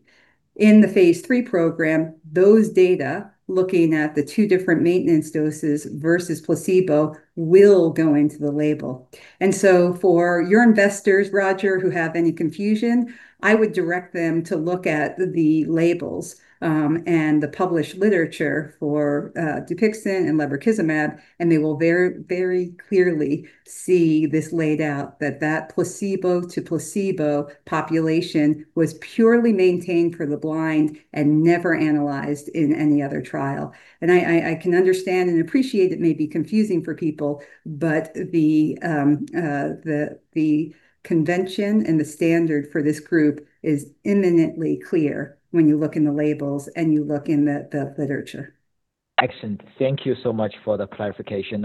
In the Phase 3 program, those data looking at the two different maintenance doses versus placebo will go into the label. So for your investors, Roger, who have any confusion, I would direct them to look at the labels and the published literature for Dupixent and lebrikizumab, and they will very clearly see this laid out that that placebo to placebo population was purely maintained for the blind and never analyzed in any other trial. I can understand and appreciate it may be confusing for people, but the convention and the standard for this group is eminently clear when you look in the labels and you look in the literature. Excellent. Thank you so much for the clarification.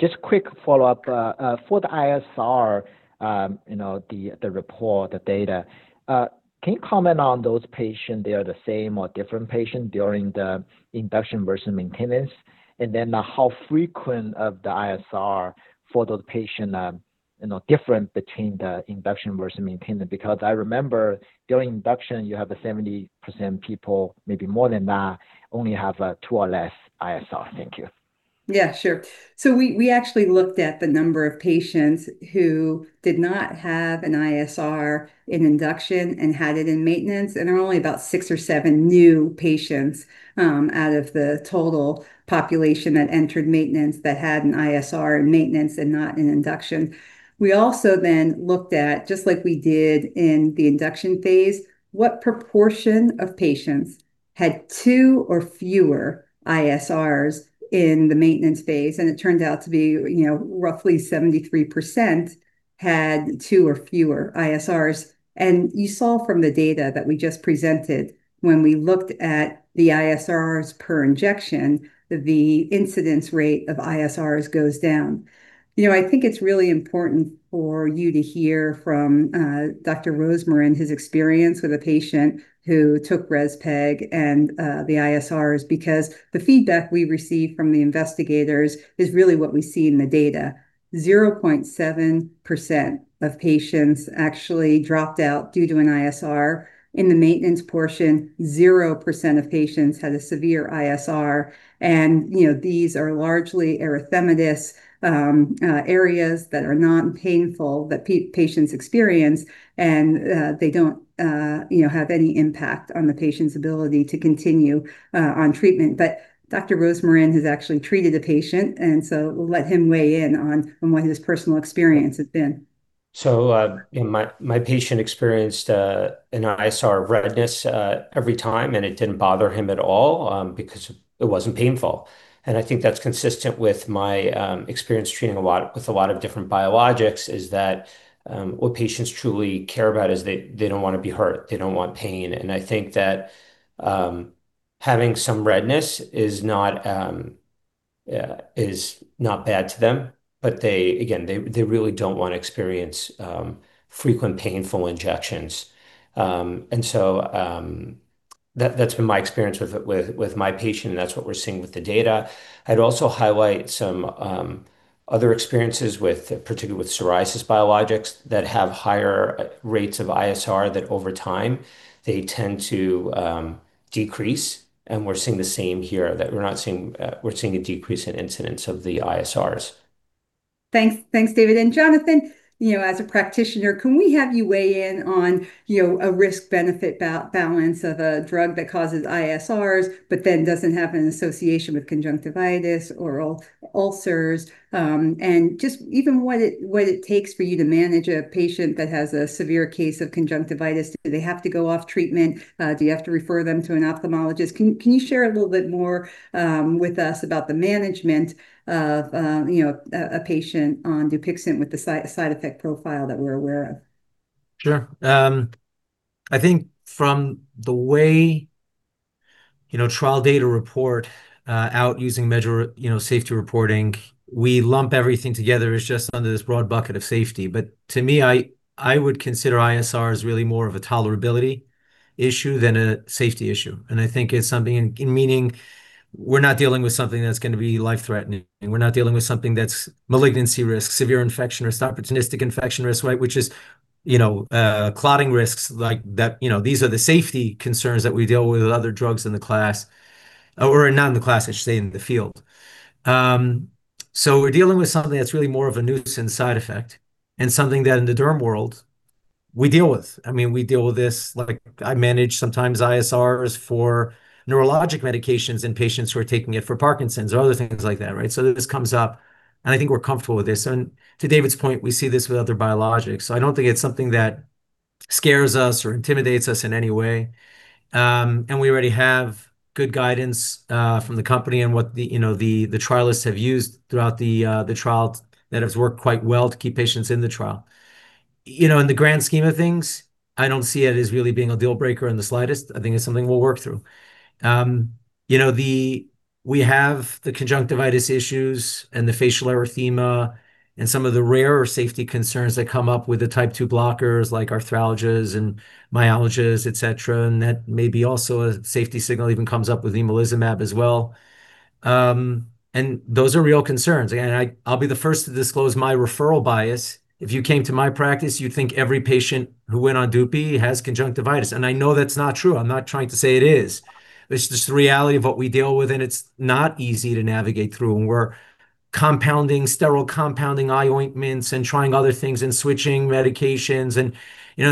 Just quick follow-up. For the ISR, the report, the data, can you comment on those patients? They are the same or different patients during the induction versus maintenance? And then how frequent of the ISR for those patients different between the induction versus maintenance? Because I remember during induction, you have 70% people, maybe more than that, only have two or less ISR. Thank you. Yeah, sure. So we actually looked at the number of patients who did not have an ISR in induction and had it in maintenance. And there are only about 6 or 7 new patients out of the total population that entered maintenance that had an ISR in maintenance and not in induction. We also then looked at, just like we did in the induction phase, what proportion of patients had 2 or fewer ISRs in the maintenance phase. And it turned out to be roughly 73% had 2 or fewer ISRs. And you saw from the data that we just presented, when we looked at the ISRs per injection, the incidence rate of ISRs goes down. I think it's really important for you to hear from Dr. Rosmarin, his experience with a patient who took ResPEG and the ISRs because the feedback we receive from the investigators is really what we see in the data. 0.7% of patients actually dropped out due to an ISR. In the maintenance portion, 0% of patients had a severe ISR. These are largely erythematous areas that are not painful that patients experience, and they don't have any impact on the patient's ability to continue on treatment. But Dr. Rosmarin has actually treated a patient, and so we'll let him weigh in on what his personal experience has been. So my patient experienced an ISR redness every time, and it didn't bother him at all because it wasn't painful. And I think that's consistent with my experience treating a lot with a lot of different biologics is that what patients truly care about is they don't want to be hurt. They don't want pain. And I think that having some redness is not bad to them. But again, they really don't want to experience frequent, painful injections. And so that's been my experience with my patient, and that's what we're seeing with the data. I'd also highlight some other experiences, particularly with psoriasis biologics, that have higher rates of ISR that over time, they tend to decrease. And we're seeing the same here, that we're seeing a decrease in incidence of the ISRs. Thanks, David. And Jonathan, as a practitioner, can we have you weigh in on a risk-benefit balance of a drug that causes ISRs but then doesn't have an association with conjunctivitis or ulcers? And just even what it takes for you to manage a patient that has a severe case of conjunctivitis, do they have to go off treatment? Do you have to refer them to an ophthalmologist? Can you share a little bit more with us about the management of a patient on Dupixent with the side effect profile that we're aware of? Sure. I think from the way trial data report out using safety reporting, we lump everything together as just under this broad bucket of safety. But to me, I would consider ISRs really more of a tolerability issue than a safety issue. And I think it's something I mean we're not dealing with something that's going to be life-threatening. We're not dealing with something that's malignancy risk, severe infection risk, opportunistic infection risk, right, which is clotting risks like that. These are the safety concerns that we deal with with other drugs in the class or not in the class, I should say, in the field. So we're dealing with something that's really more of a nuisance side effect and something that in the derm world, we deal with. I mean, we deal with this. I manage sometimes ISRs for neurologic medications in patients who are taking it for Parkinson's or other things like that, right? So this comes up, and I think we're comfortable with this. And to David's point, we see this with other biologics. So I don't think it's something that scares us or intimidates us in any way. And we already have good guidance from the company and what the trialists have used throughout the trial that has worked quite well to keep patients in the trial. In the grand scheme of things, I don't see it as really being a deal breaker in the slightest. I think it's something we'll work through. We have the conjunctivitis issues and the facial erythema and some of the rare safety concerns that come up with the type 2 blockers like arthralgias and myalgias, etc. And that may be also a safety signal. It even comes up with omalizumab as well. Those are real concerns. Again, I'll be the first to disclose my referral bias. If you came to my practice, you'd think every patient who went on Dupi has conjunctivitis. I know that's not true. I'm not trying to say it is. It's just the reality of what we deal with, and it's not easy to navigate through. We're sterile compounding eye ointments and trying other things and switching medications.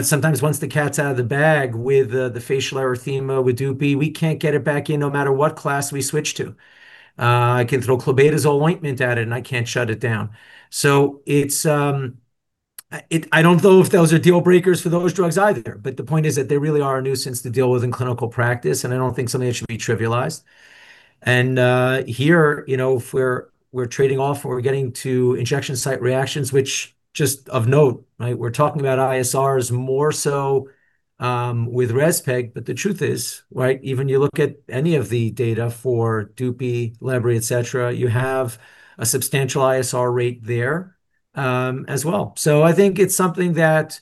Sometimes once the cat's out of the bag with the facial erythema with Dupi, we can't get it back in no matter what class we switch to. I can throw clobetasol ointment at it, and I can't shut it down. I don't know if those are deal breakers for those drugs either. But the point is that they really are a nuisance to deal with in clinical practice, and I don't think something that should be trivialized. And here, if we're trading off or we're getting to injection site reactions, which, just of note, right, we're talking about ISRs more so with ResPEG. But the truth is, right, even you look at any of the data for Dupi, Lebri, etc., you have a substantial ISR rate there as well. So I think it's something that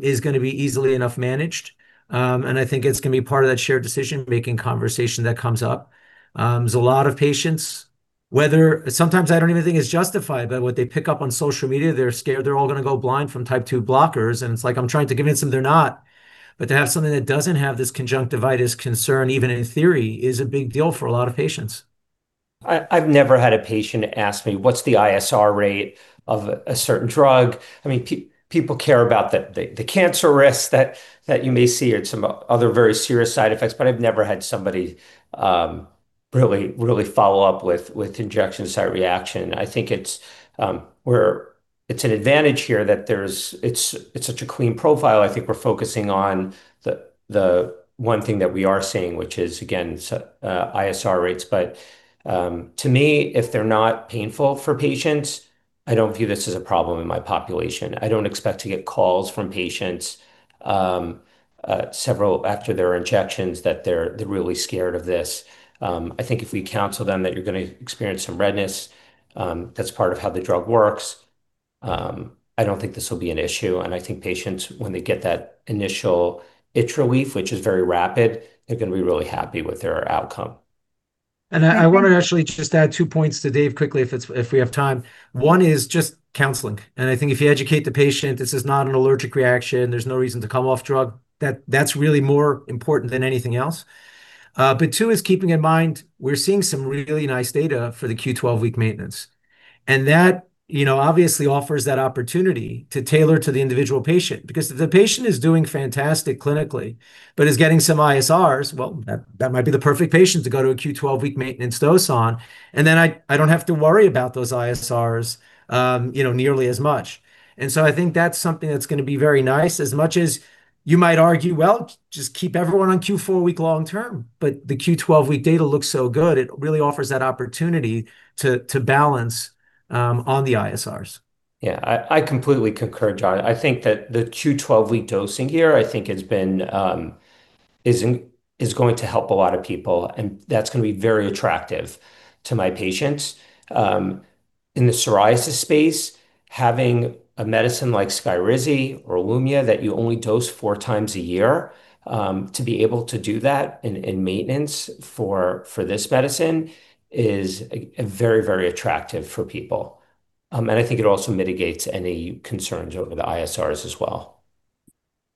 is going to be easily enough managed. And I think it's going to be part of that shared decision-making conversation that comes up. There's a lot of patients, whether sometimes I don't even think it's justified, but what they pick up on social media, they're scared they're all going to go blind from Th2 blockers. And it's like I'm trying to convince them they're not. But to have something that doesn't have this conjunctivitis concern, even in theory, is a big deal for a lot of patients. I've never had a patient ask me, "What's the ISR rate of a certain drug?" I mean, people care about the cancer risks that you may see or some other very serious side effects, but I've never had somebody really follow up with injection site reaction. I think it's an advantage here that it's such a clean profile. I think we're focusing on the one thing that we are seeing, which is, again, ISR rates. But to me, if they're not painful for patients, I don't view this as a problem in my population. I don't expect to get calls from patients several after their injections that they're really scared of this. I think if we counsel them that you're going to experience some redness, that's part of how the drug works. I don't think this will be an issue. I think patients, when they get that initial itch relief, which is very rapid, they're going to be really happy with their outcome. I want to actually just add two points to Dave quickly if we have time. One is just counseling. I think if you educate the patient, "This is not an allergic reaction. There's no reason to come off drug," that's really more important than anything else. But two is keeping in mind, we're seeing some really nice data for the Q12 week maintenance. That obviously offers that opportunity to tailor to the individual patient because if the patient is doing fantastic clinically but is getting some ISRs, well, that might be the perfect patient to go to a Q12 week maintenance dose on. Then I don't have to worry about those ISRs nearly as much. So I think that's something that's going to be very nice as much as you might argue, "Well, just keep everyone on Q4-week long-term." But the Q12-week data looks so good. It really offers that opportunity to balance on the ISRs. Yeah, I completely concur, John. I think that the Q12 week dosing here, I think, is going to help a lot of people, and that's going to be very attractive to my patients. In the psoriasis space, having a medicine like Skyrizi or Ilumya that you only dose four times a year to be able to do that in maintenance for this medicine is very, very attractive for people. And I think it also mitigates any concerns over the ISRs as well.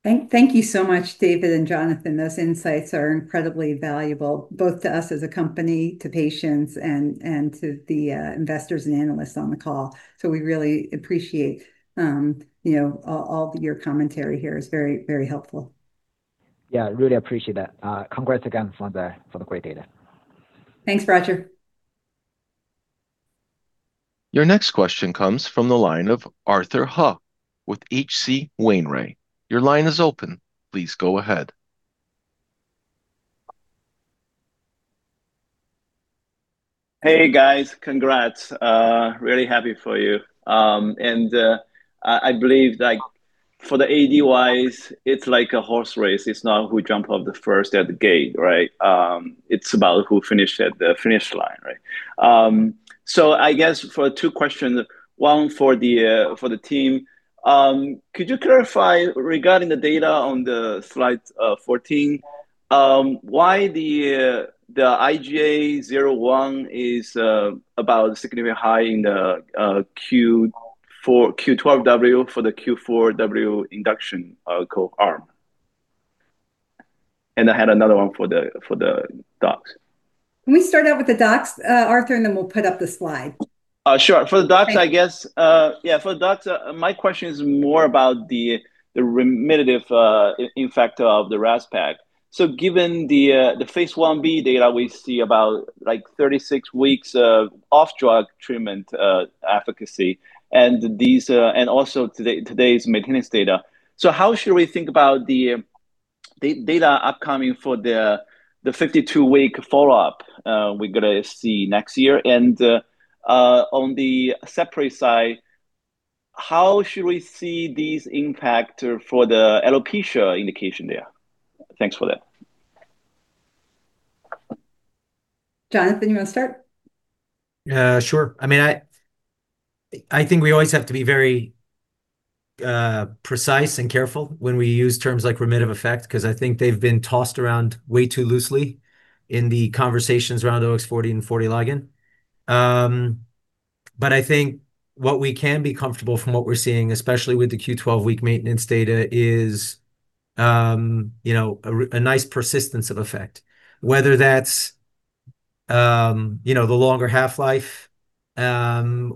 Thank you so much, David and Jonathan. Those insights are incredibly valuable, both to us as a company, to patients, and to the investors and analysts on the call. So we really appreciate all your commentary here. It's very, very helpful. Yeah, I really appreciate that. Congrats again for the great data. Thanks, Roger. Your next question comes from the line of Arthur He with H.C. Wainwright. Your line is open. Please go ahead. Hey, guys. Congrats. Really happy for you. And I believe for the ADs, it's like a horse race. It's not who jumped off the first at the gate, right? It's about who finished at the finish line, right? So I guess for two questions, one for the team, could you clarify regarding the data on slide 14, why the IGA 0/1 is about significantly high in the Q12W for the Q4W induction co-arm? And I had another one for the docs. Can we start out with the docs, Arthur, and then we'll put up the slide? Sure. For the docs, I guess, yeah, for the docs, my question is more about the remittive effect of the RezPEG. So given the phase 1b data, we see about 36 weeks of off-drug treatment efficacy and also today's maintenance data. So how should we think about the data upcoming for the 52-week follow-up we're going to see next year? And on the therapy side, how should we see these impact for the alopecia indication there? Thanks for that. Jonathan, you want to start? Sure. I mean, I think we always have to be very precise and careful when we use terms like remittive effect because I think they've been tossed around way too loosely in the conversations around OX40 and OX40 ligand. But I think what we can be comfortable from what we're seeing, especially with the Q12-week maintenance data, is a nice persistence of effect, whether that's the longer half-life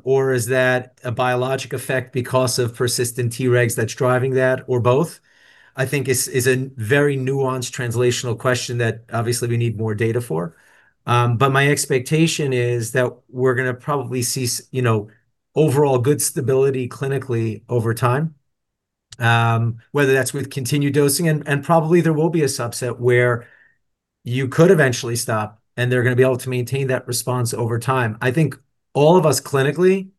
or is that a biologic effect because of persistent Tregs that's driving that or both. I think is a very nuanced translational question that obviously we need more data for. But my expectation is that we're going to probably see overall good stability clinically over time, whether that's with continued dosing. And probably there will be a subset where you could eventually stop, and they're going to be able to maintain that response over time. I think all of us clinically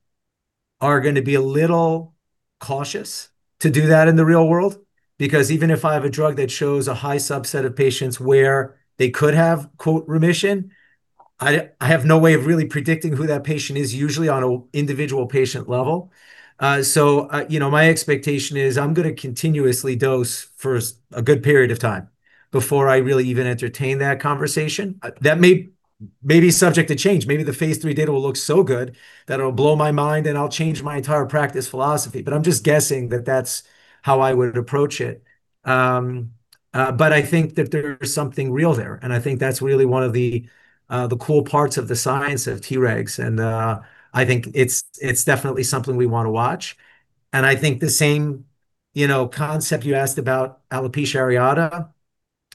are going to be a little cautious to do that in the real world because even if I have a drug that shows a high subset of patients where they could have "remission," I have no way of really predicting who that patient is, usually on an individual patient level. So my expectation is I'm going to continuously dose for a good period of time before I really even entertain that conversation. That may be subject to change. Maybe the phase 3 data will look so good that it'll blow my mind, and I'll change my entire practice philosophy. But I'm just guessing that that's how I would approach it. But I think that there's something real there. And I think that's really one of the cool parts of the science of Tregs. And I think it's definitely something we want to watch. I think the same concept you asked about alopecia areata,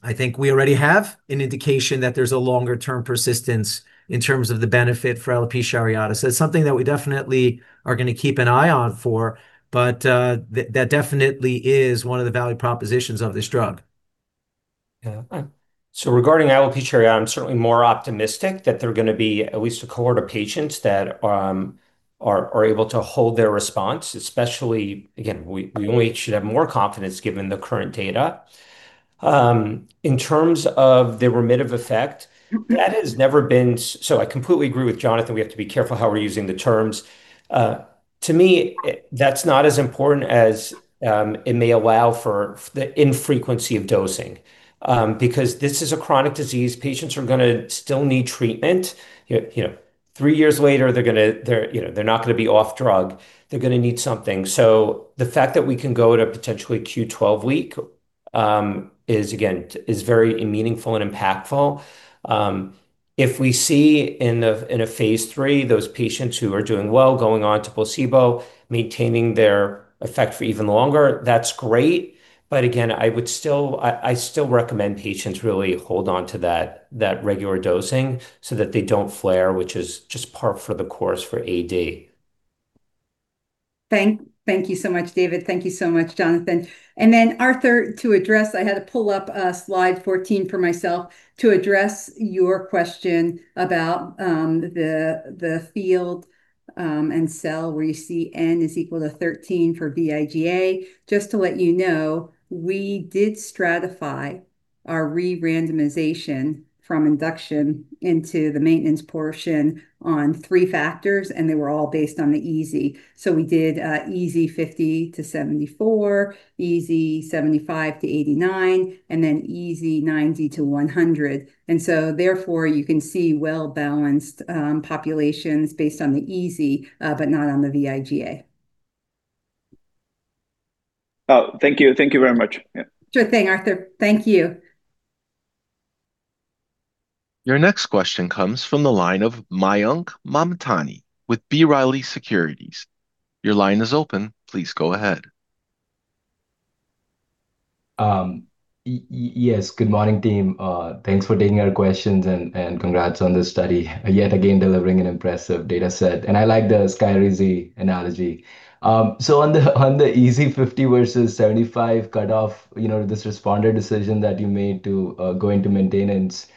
I think we already have an indication that there's a longer-term persistence in terms of the benefit for alopecia areata. So it's something that we definitely are going to keep an eye on for, but that definitely is one of the value propositions of this drug. Yeah. So regarding alopecia areata, I'm certainly more optimistic that there are going to be at least a cohort of patients that are able to hold their response, especially again, we only should have more confidence given the current data. In terms of the remittative effect, that has never been so I completely agree with Jonathan. We have to be careful how we're using the terms. To me, that's not as important as it may allow for the infrequency of dosing because this is a chronic disease. Patients are going to still need treatment. Three years later, they're not going to be off drug. They're going to need something. So the fact that we can go to potentially Q12 week is, again, very meaningful and impactful. If we see in a phase 3 those patients who are doing well, going on to placebo, maintaining their effect for even longer, that's great. But again, I still recommend patients really hold on to that regular dosing so that they don't flare, which is just par for the course for AD. Thank you so much, David. Thank you so much, Jonathan. Then, Arthur, to address, I had to pull up slide 14 for myself to address your question about the field and cell where you see n=13 for VIGA. Just to let you know, we did stratify our re-randomization from induction into the maintenance portion on three factors, and they were all based on the EASI. So we did EASI 50-74, EASI 75-89, and then EASI 90-100. And so therefore, you can see well-balanced populations based on the EASI but not on the VIGA. Thank you. Thank you very much. Yeah. Sure thing, Arthur. Thank you. Your next question comes from the line of Mayank Mamtani with B. Riley Securities. Your line is open. Please go ahead. Yes. Good morning, team. Thanks for taking our questions, and congrats on this study, yet again, delivering an impressive dataset. And I like the Skyrizi analogy. So on the EASI-50 versus 75 cutoff, this responder decision that you made to go into maintenance,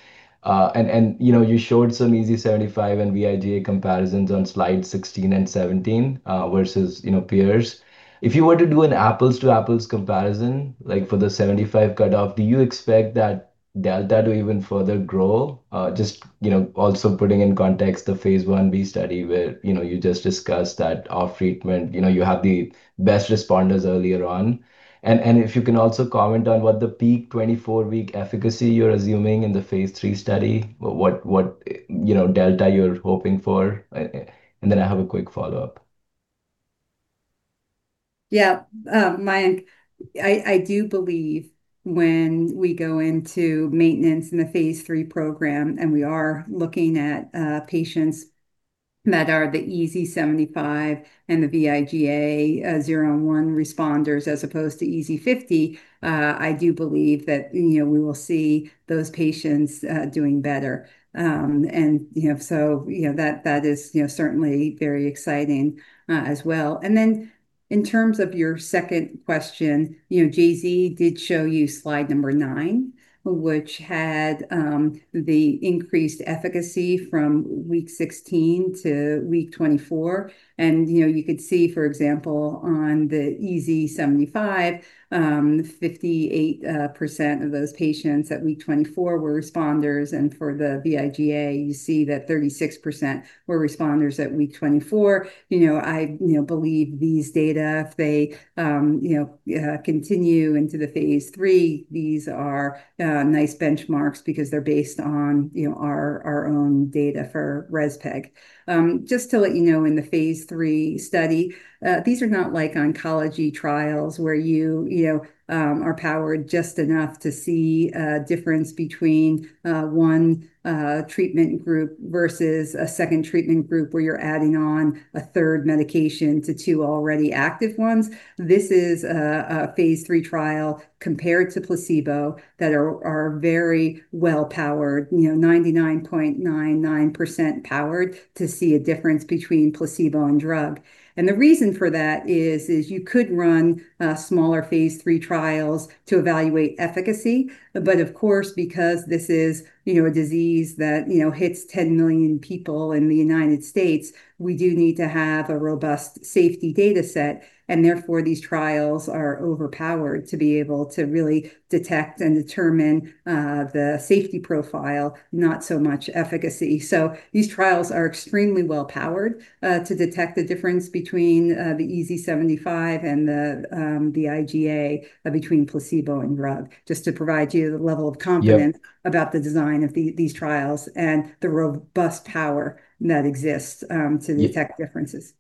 and you showed some EASI-75 and VIGA comparisons on slides 16 and 17 versus peers. If you were to do an apples-to-apples comparison for the 75 cutoff, do you expect that delta to even further grow? Just also putting in context the phase 1b study where you just discussed that off-treatment, you have the best responders earlier on. And if you can also comment on what the peak 24-week efficacy you're assuming in the phase 3 study, what delta you're hoping for. And then I have a quick follow-up. Yeah, Mayank, I do believe when we go into maintenance in the phase 3 program, and we are looking at patients that are the EASI-75 and the vIGA 0/1 responders as opposed to EASI-50, I do believe that we will see those patients doing better. And so that is certainly very exciting as well. And then in terms of your second question, JZ did show you slide 9, which had the increased efficacy from week 16 to week 24. And you could see, for example, on the EASI-75, 58% of those patients at week 24 were responders. And for the vIGA, you see that 36% were responders at week 24. I believe these data, if they continue into the phase 3, these are nice benchmarks because they're based on our own data for rezpegaldesleukin. Just to let you know, in the phase 3 study, these are not like oncology trials where you are powered just enough to see a difference between one treatment group versus a second treatment group where you're adding on a third medication to two already active ones. This is a phase 3 trial compared to placebo that are very well-powered, 99.99% powered to see a difference between placebo and drug. And the reason for that is you could run smaller phase 3 trials to evaluate efficacy. But of course, because this is a disease that hits 10 million people in the United States, we do need to have a robust safety dataset. And therefore, these trials are overpowered to be able to really detect and determine the safety profile, not so much efficacy. These trials are extremely well-powered to detect the difference between the EASI-75 and the vIGA, between placebo and drug, just to provide you the level of confidence about the design of these trials and the robust power that exists to detect differences.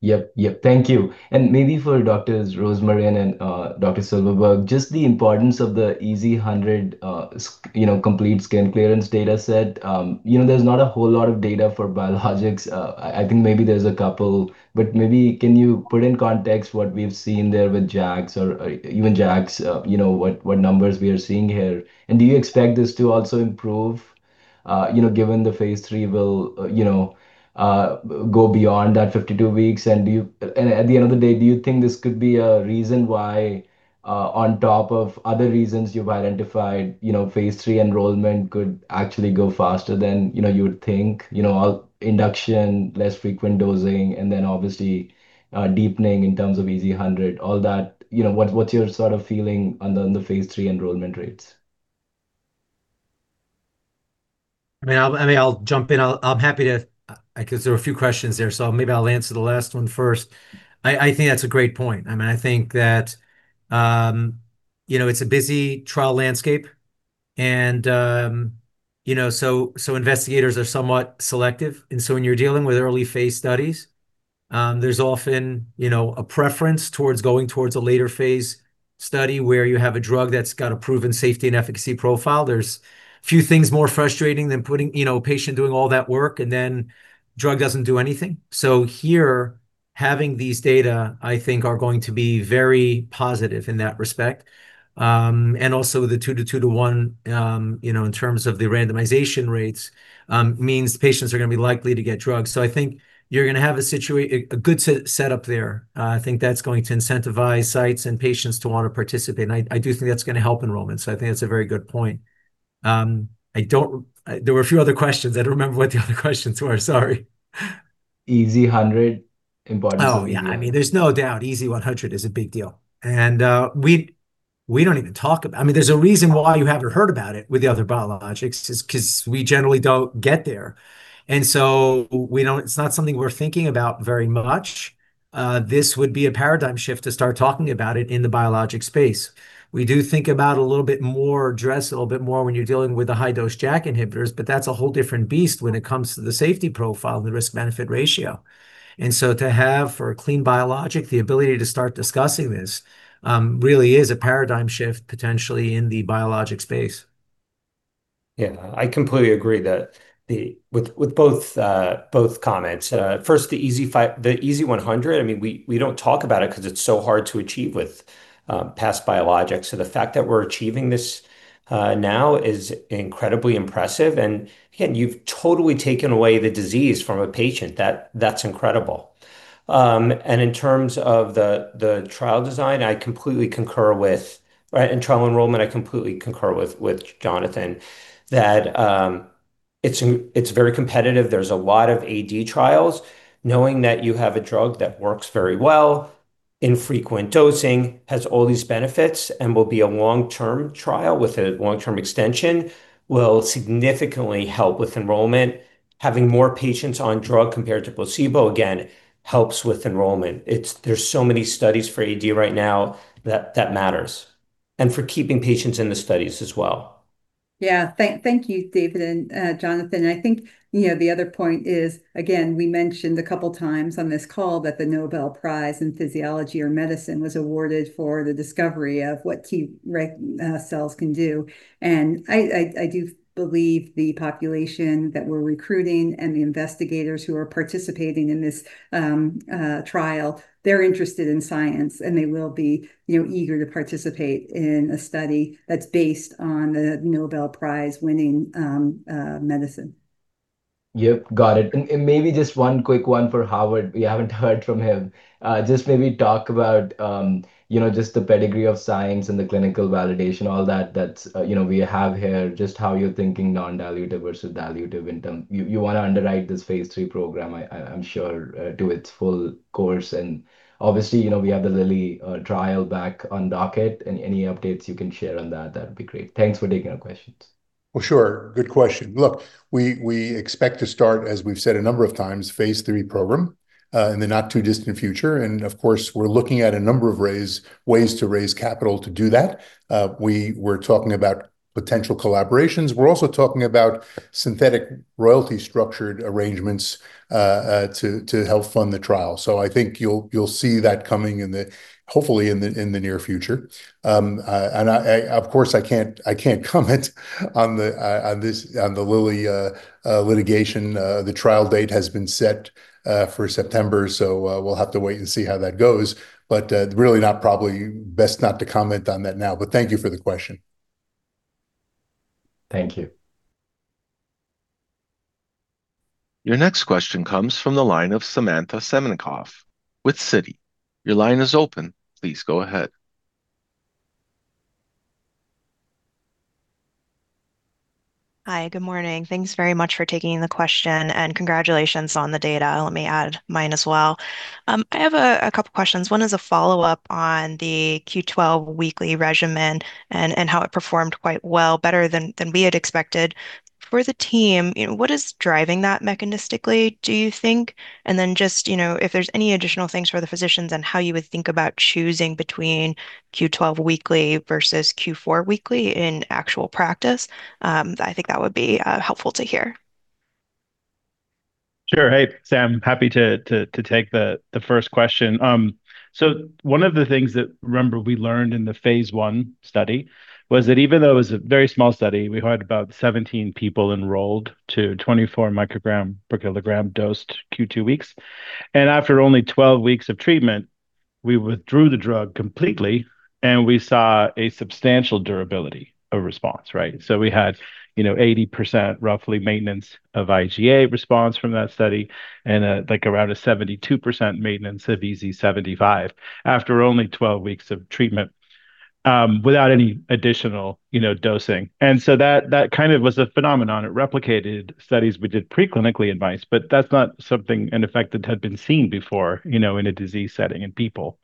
Yep, yep. Thank you. Maybe for Dr. Rosmarin and Dr. Silverberg, just the importance of the EASI-100 complete skin clearance dataset. There's not a whole lot of data for biologics. I think maybe there's a couple. But maybe can you put in context what we've seen there with JAKs or even JAKs, what numbers we are seeing here? And do you expect this to also improve given the phase 3 will go beyond that 52 weeks? And at the end of the day, do you think this could be a reason why, on top of other reasons you've identified, phase 3 enrollment could actually go faster than you would think, induction, less frequent dosing, and then obviously deepening in terms of EASI-100, all that? What's your sort of feeling on the phase 3 enrollment rates? I mean, I'll jump in. I'm happy to because there were a few questions there. So maybe I'll answer the last one first. I think that's a great point. I mean, I think that it's a busy trial landscape. And so investigators are somewhat selective. And so when you're dealing with early phase studies, there's often a preference towards going towards a later phase study where you have a drug that's got a proven safety and efficacy profile. There's a few things more frustrating than putting a patient doing all that work, and then drug doesn't do anything. So here, having these data, I think, are going to be very positive in that respect. And also the 2:2:1 in terms of the randomization rates means patients are going to be likely to get drugs. So I think you're going to have a good setup there. I think that's going to incentivize sites and patients to want to participate. And I do think that's going to help enrollment. So I think that's a very good point. There were a few other questions. I don't remember what the other questions were. Sorry. EASI-100, important. Oh, yeah. I mean, there's no doubt EASI-100 is a big deal. We don't even talk about it. I mean, there's a reason why you haven't heard about it with the other biologics is because we generally don't get there. So it's not something we're thinking about very much. This would be a paradigm shift to start talking about it in the biologics space. We do think about it a little bit more, address a little bit more when you're dealing with the high-dose JAK inhibitors. But that's a whole different beast when it comes to the safety profile and the risk-benefit ratio. So to have for a clean biologic, the ability to start discussing this really is a paradigm shift potentially in the biologics space. Yeah, I completely agree with both comments. First, the EASI-100, I mean, we don't talk about it because it's so hard to achieve with past biologics. So the fact that we're achieving this now is incredibly impressive. And again, you've totally taken away the disease from a patient. That's incredible. And in terms of the trial design, I completely concur with and trial enrollment, I completely concur with Jonathan that it's very competitive. There's a lot of AD trials. Knowing that you have a drug that works very well in frequent dosing, has all these benefits, and will be a long-term trial with a long-term extension, will significantly help with enrollment. Having more patients on drug compared to placebo, again, helps with enrollment. There's so many studies for AD right now that matters and for keeping patients in the studies as well. Yeah. Thank you, David and Jonathan. I think the other point is, again, we mentioned a couple of times on this call that the Nobel Prize in Physiology or Medicine was awarded for the discovery of what T cells can do. I do believe the population that we're recruiting and the investigators who are participating in this trial, they're interested in science, and they will be eager to participate in a study that's based on the Nobel Prize-winning medicine. Yep, got it. And maybe just one quick one for Howard. We haven't heard from him. Just maybe talk about just the pedigree of science and the clinical validation, all that that we have here, just how you're thinking non-dilutive versus dilutive in terms you want to underwrite this phase 3 program, I'm sure, to its full course. And obviously, we have the Lilly trial back on docket. And any updates you can share on that, that would be great. Thanks for taking our questions. Well, sure. Good question. Look, we expect to start, as we've said a number of times, phase 3 program in the not-too-distant future. And of course, we're looking at a number of ways to raise capital to do that. We were talking about potential collaborations. We're also talking about synthetic royalty-structured arrangements to help fund the trial. So I think you'll see that coming, hopefully, in the near future. And of course, I can't comment on the Lilly litigation. The trial date has been set for September. So we'll have to wait and see how that goes. But really, probably best not to comment on that now. But thank you for the question. Thank you. Your next question comes from the line of Samantha Semenkow with Citi. Your line is open. Please go ahead. Hi. Good morning. Thanks very much for taking the question. Congratulations on the data. Let me add mine as well. I have a couple of questions. One is a follow-up on the Q12 weekly regimen and how it performed quite well, better than we had expected. For the team, what is driving that mechanistically, do you think? Then just if there's any additional things for the physicians and how you would think about choosing between Q12 weekly versus Q4 weekly in actual practice, I think that would be helpful to hear. Sure. Hey, Sam. Happy to take the first question. So one of the things that, remember, we learned in the phase 1 study was that even though it was a very small study, we had about 17 people enrolled to 24 microgram per kilogram dosed Q2 weeks. And after only 12 weeks of treatment, we withdrew the drug completely, and we saw a substantial durability of response, right? So we had 80%, roughly, maintenance of IGA response from that study and around a 72% maintenance of EASI-75 after only 12 weeks of treatment without any additional dosing. And so that kind of was a phenomenon. It replicated studies we did preclinically in mice, but that's not something an effect that had been seen before in a disease setting in people.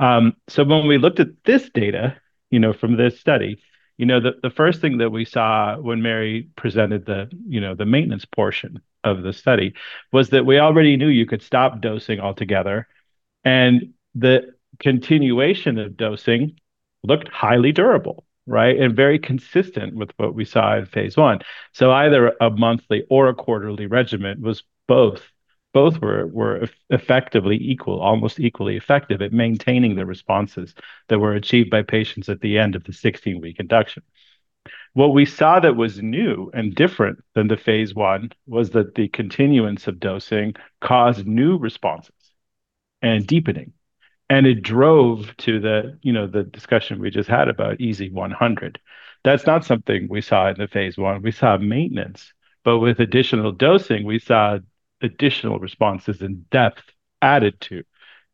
So when we looked at this data from this study, the first thing that we saw when Mary presented the maintenance portion of the study was that we already knew you could stop dosing altogether. And the continuation of dosing looked highly durable, right, and very consistent with what we saw in phase 1. So either a monthly or a quarterly regimen was both were effectively equal, almost equally effective at maintaining the responses that were achieved by patients at the end of the 16-week induction. What we saw that was new and different than the phase 1 was that the continuance of dosing caused new responses and deepening. And it drove to the discussion we just had about EASI-100. That's not something we saw in the phase 1. We saw maintenance. But with additional dosing, we saw additional responses in depth added to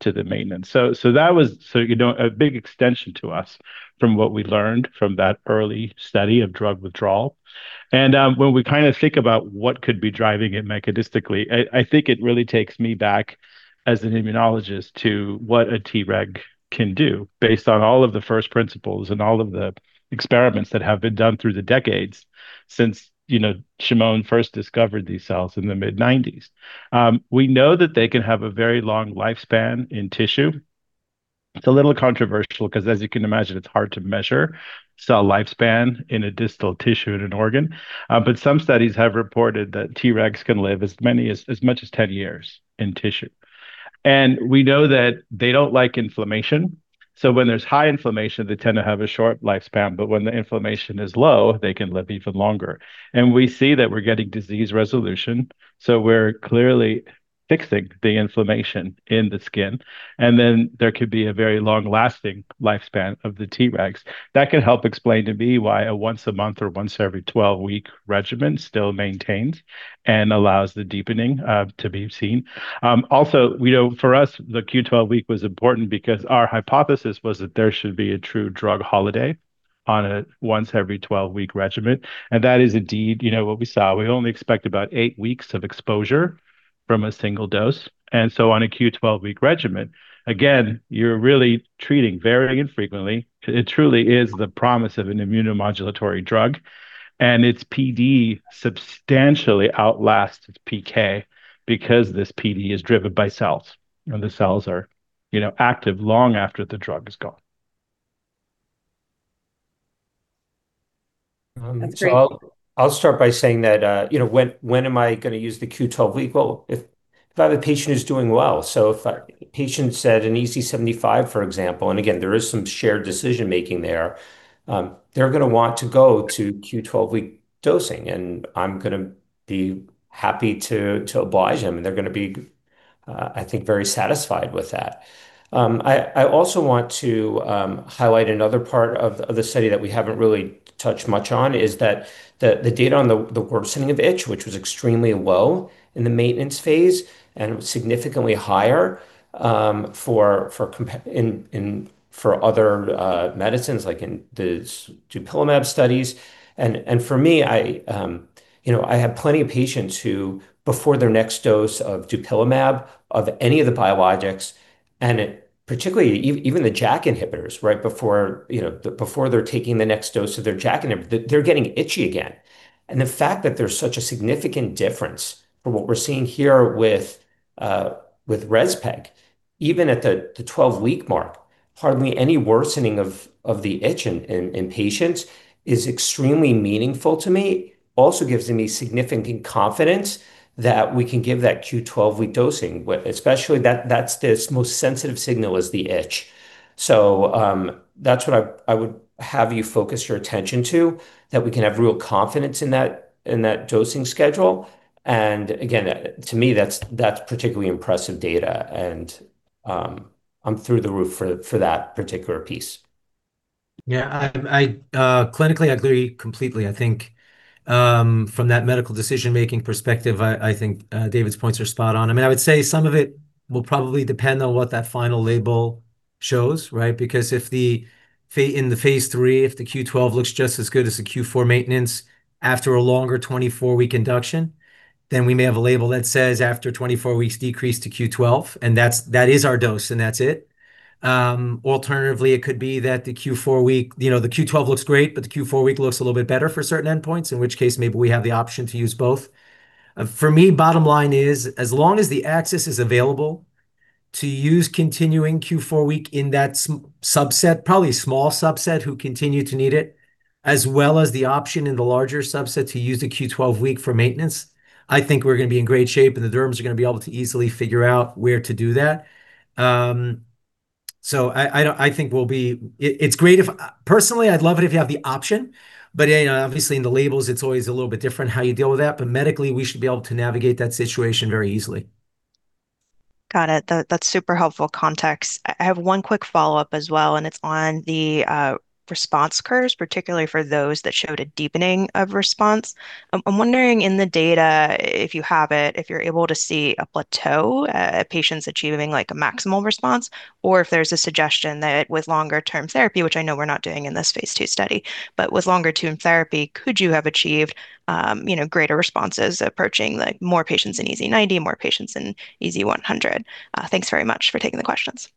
the maintenance. So that was a big extension to us from what we learned from that early study of drug withdrawal. When we kind of think about what could be driving it mechanistically, I think it really takes me back as an immunologist to what a Treg can do based on all of the first principles and all of the experiments that have been done through the decades since Shimon first discovered these cells in the mid-1990s. We know that they can have a very long lifespan in tissue. It's a little controversial because, as you can imagine, it's hard to measure cell lifespan in a distal tissue in an organ. But some studies have reported that Tregs can live as much as 10 years in tissue. We know that they don't like inflammation. When there's high inflammation, they tend to have a short lifespan. When the inflammation is low, they can live even longer. We see that we're getting disease resolution. We're clearly fixing the inflammation in the skin. Then there could be a very long-lasting lifespan of the Tregs. That can help explain to me why a once-a-month or once every 12-week regimen still maintains and allows the deepening to be seen. Also, for us, the Q12 week was important because our hypothesis was that there should be a true drug holiday on a once-every-12-week regimen. That is indeed what we saw. We only expect about 8 weeks of exposure from a single dose. On a Q12-week regimen, again, you're really treating very infrequently. It truly is the promise of an immunomodulatory drug. Its PD substantially outlasts its PK because this PD is driven by cells. The cells are active long after the drug is gone. That's great. So I'll start by saying that when am I going to use the Q12 week? Well, if I have a patient who's doing well. So if a patient said an EASI-75, for example, and again, there is some shared decision-making there, they're going to want to go to Q12-week dosing. And I'm going to be happy to oblige them. And they're going to be, I think, very satisfied with that. I also want to highlight another part of the study that we haven't really touched much on is that the data on the worsening of itch, which was extremely low in the maintenance phase and significantly higher for other medicines like in the dupilumab studies. And for me, I have plenty of patients who, before their next dose of dupilumab, of any of the biologics, and particularly even the JAK inhibitors, right, before they're taking the next dose of their JAK inhibitor, they're getting itchy again. And the fact that there's such a significant difference from what we're seeing here with ResPEG, even at the 12-week mark, hardly any worsening of the itch in patients is extremely meaningful to me. Also gives me significant confidence that we can give that Q12-week dosing, especially that's this most sensitive signal is the itch. So that's what I would have you focus your attention to, that we can have real confidence in that dosing schedule. And again, to me, that's particularly impressive data. And I'm through the roof for that particular piece. Yeah. Clinically, I agree completely. I think from that medical decision-making perspective, I think David's points are spot on. I mean, I would say some of it will probably depend on what that final label shows, right? Because in the phase 3, if the Q12 looks just as good as the Q4 maintenance after a longer 24-week induction, then we may have a label that says after 24 weeks, decrease to Q12. And that is our dose. And that's it. Alternatively, it could be that the Q4 week the Q12 looks great, but the Q4 week looks a little bit better for certain endpoints, in which case, maybe we have the option to use both. For me, bottom line is, as long as the axis is available to use continuing Q4 week in that subset, probably small subset who continue to need it, as well as the option in the larger subset to use the Q12 week for maintenance, I think we're going to be in great shape. And the derms are going to be able to easily figure out where to do that. So I think we'll be. It's great if, personally, I'd love it if you have the option. But obviously, in the labels, it's always a little bit different how you deal with that. But medically, we should be able to navigate that situation very easily. Got it. That's super helpful context. I have one quick follow-up as well. It's on the response curves, particularly for those that showed a deepening of response. I'm wondering in the data, if you have it, if you're able to see a plateau at patients achieving a maximal response, or if there's a suggestion that with longer-term therapy, which I know we're not doing in this phase 2 study, but with longer-term therapy, could you have achieved greater responses approaching more patients in EASI-90, more patients in EASI-100? Thanks very much for taking the questions.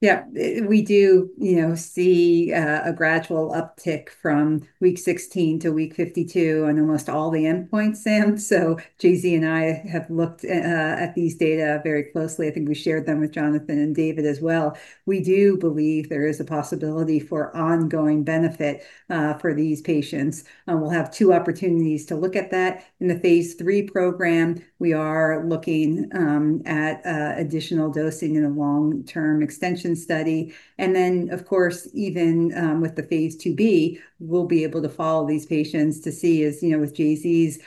Yeah. We do see a gradual uptick from week 16 to week 52 on almost all the endpoints, Sam. So Jay-Z and I have looked at these data very closely. I think we shared them with Jonathan and David as well. We do believe there is a possibility for ongoing benefit for these patients. We'll have two opportunities to look at that. In the phase 3 program, we are looking at additional dosing in a long-term extension study. And then, of course, even with the phase 2b, we'll be able to follow these patients to see if, with Jay-Z's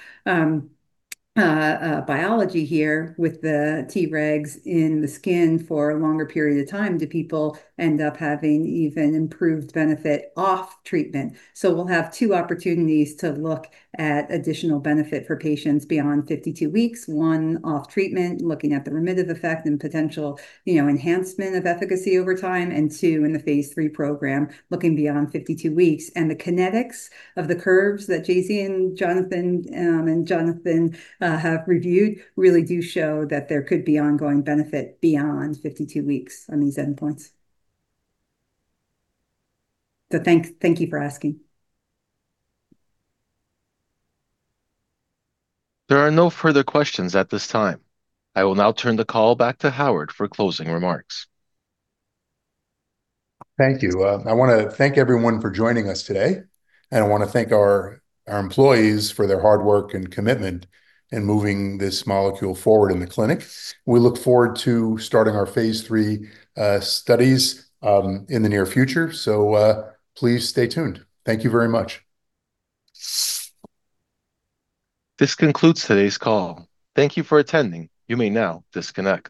biology here, with the Tregs in the skin for a longer period of time, do people end up having even improved benefit off treatment? So we'll have two opportunities to look at additional benefit for patients beyond 52 weeks, one off treatment, looking at the remittive effect and potential enhancement of efficacy over time, and two, in the phase 3 program, looking beyond 52 weeks. And the kinetics of the curves that Jay-Z and Jonathan have reviewed really do show that there could be ongoing benefit beyond 52 weeks on these endpoints. So thank you for asking. There are no further questions at this time. I will now turn the call back to Howard for closing remarks. Thank you. I want to thank everyone for joining us today. I want to thank our employees for their hard work and commitment in moving this molecule forward in the clinic. We look forward to starting our phase 3 studies in the near future. Please stay tuned. Thank you very much. This concludes today's call. Thank you for attending. You may now disconnect.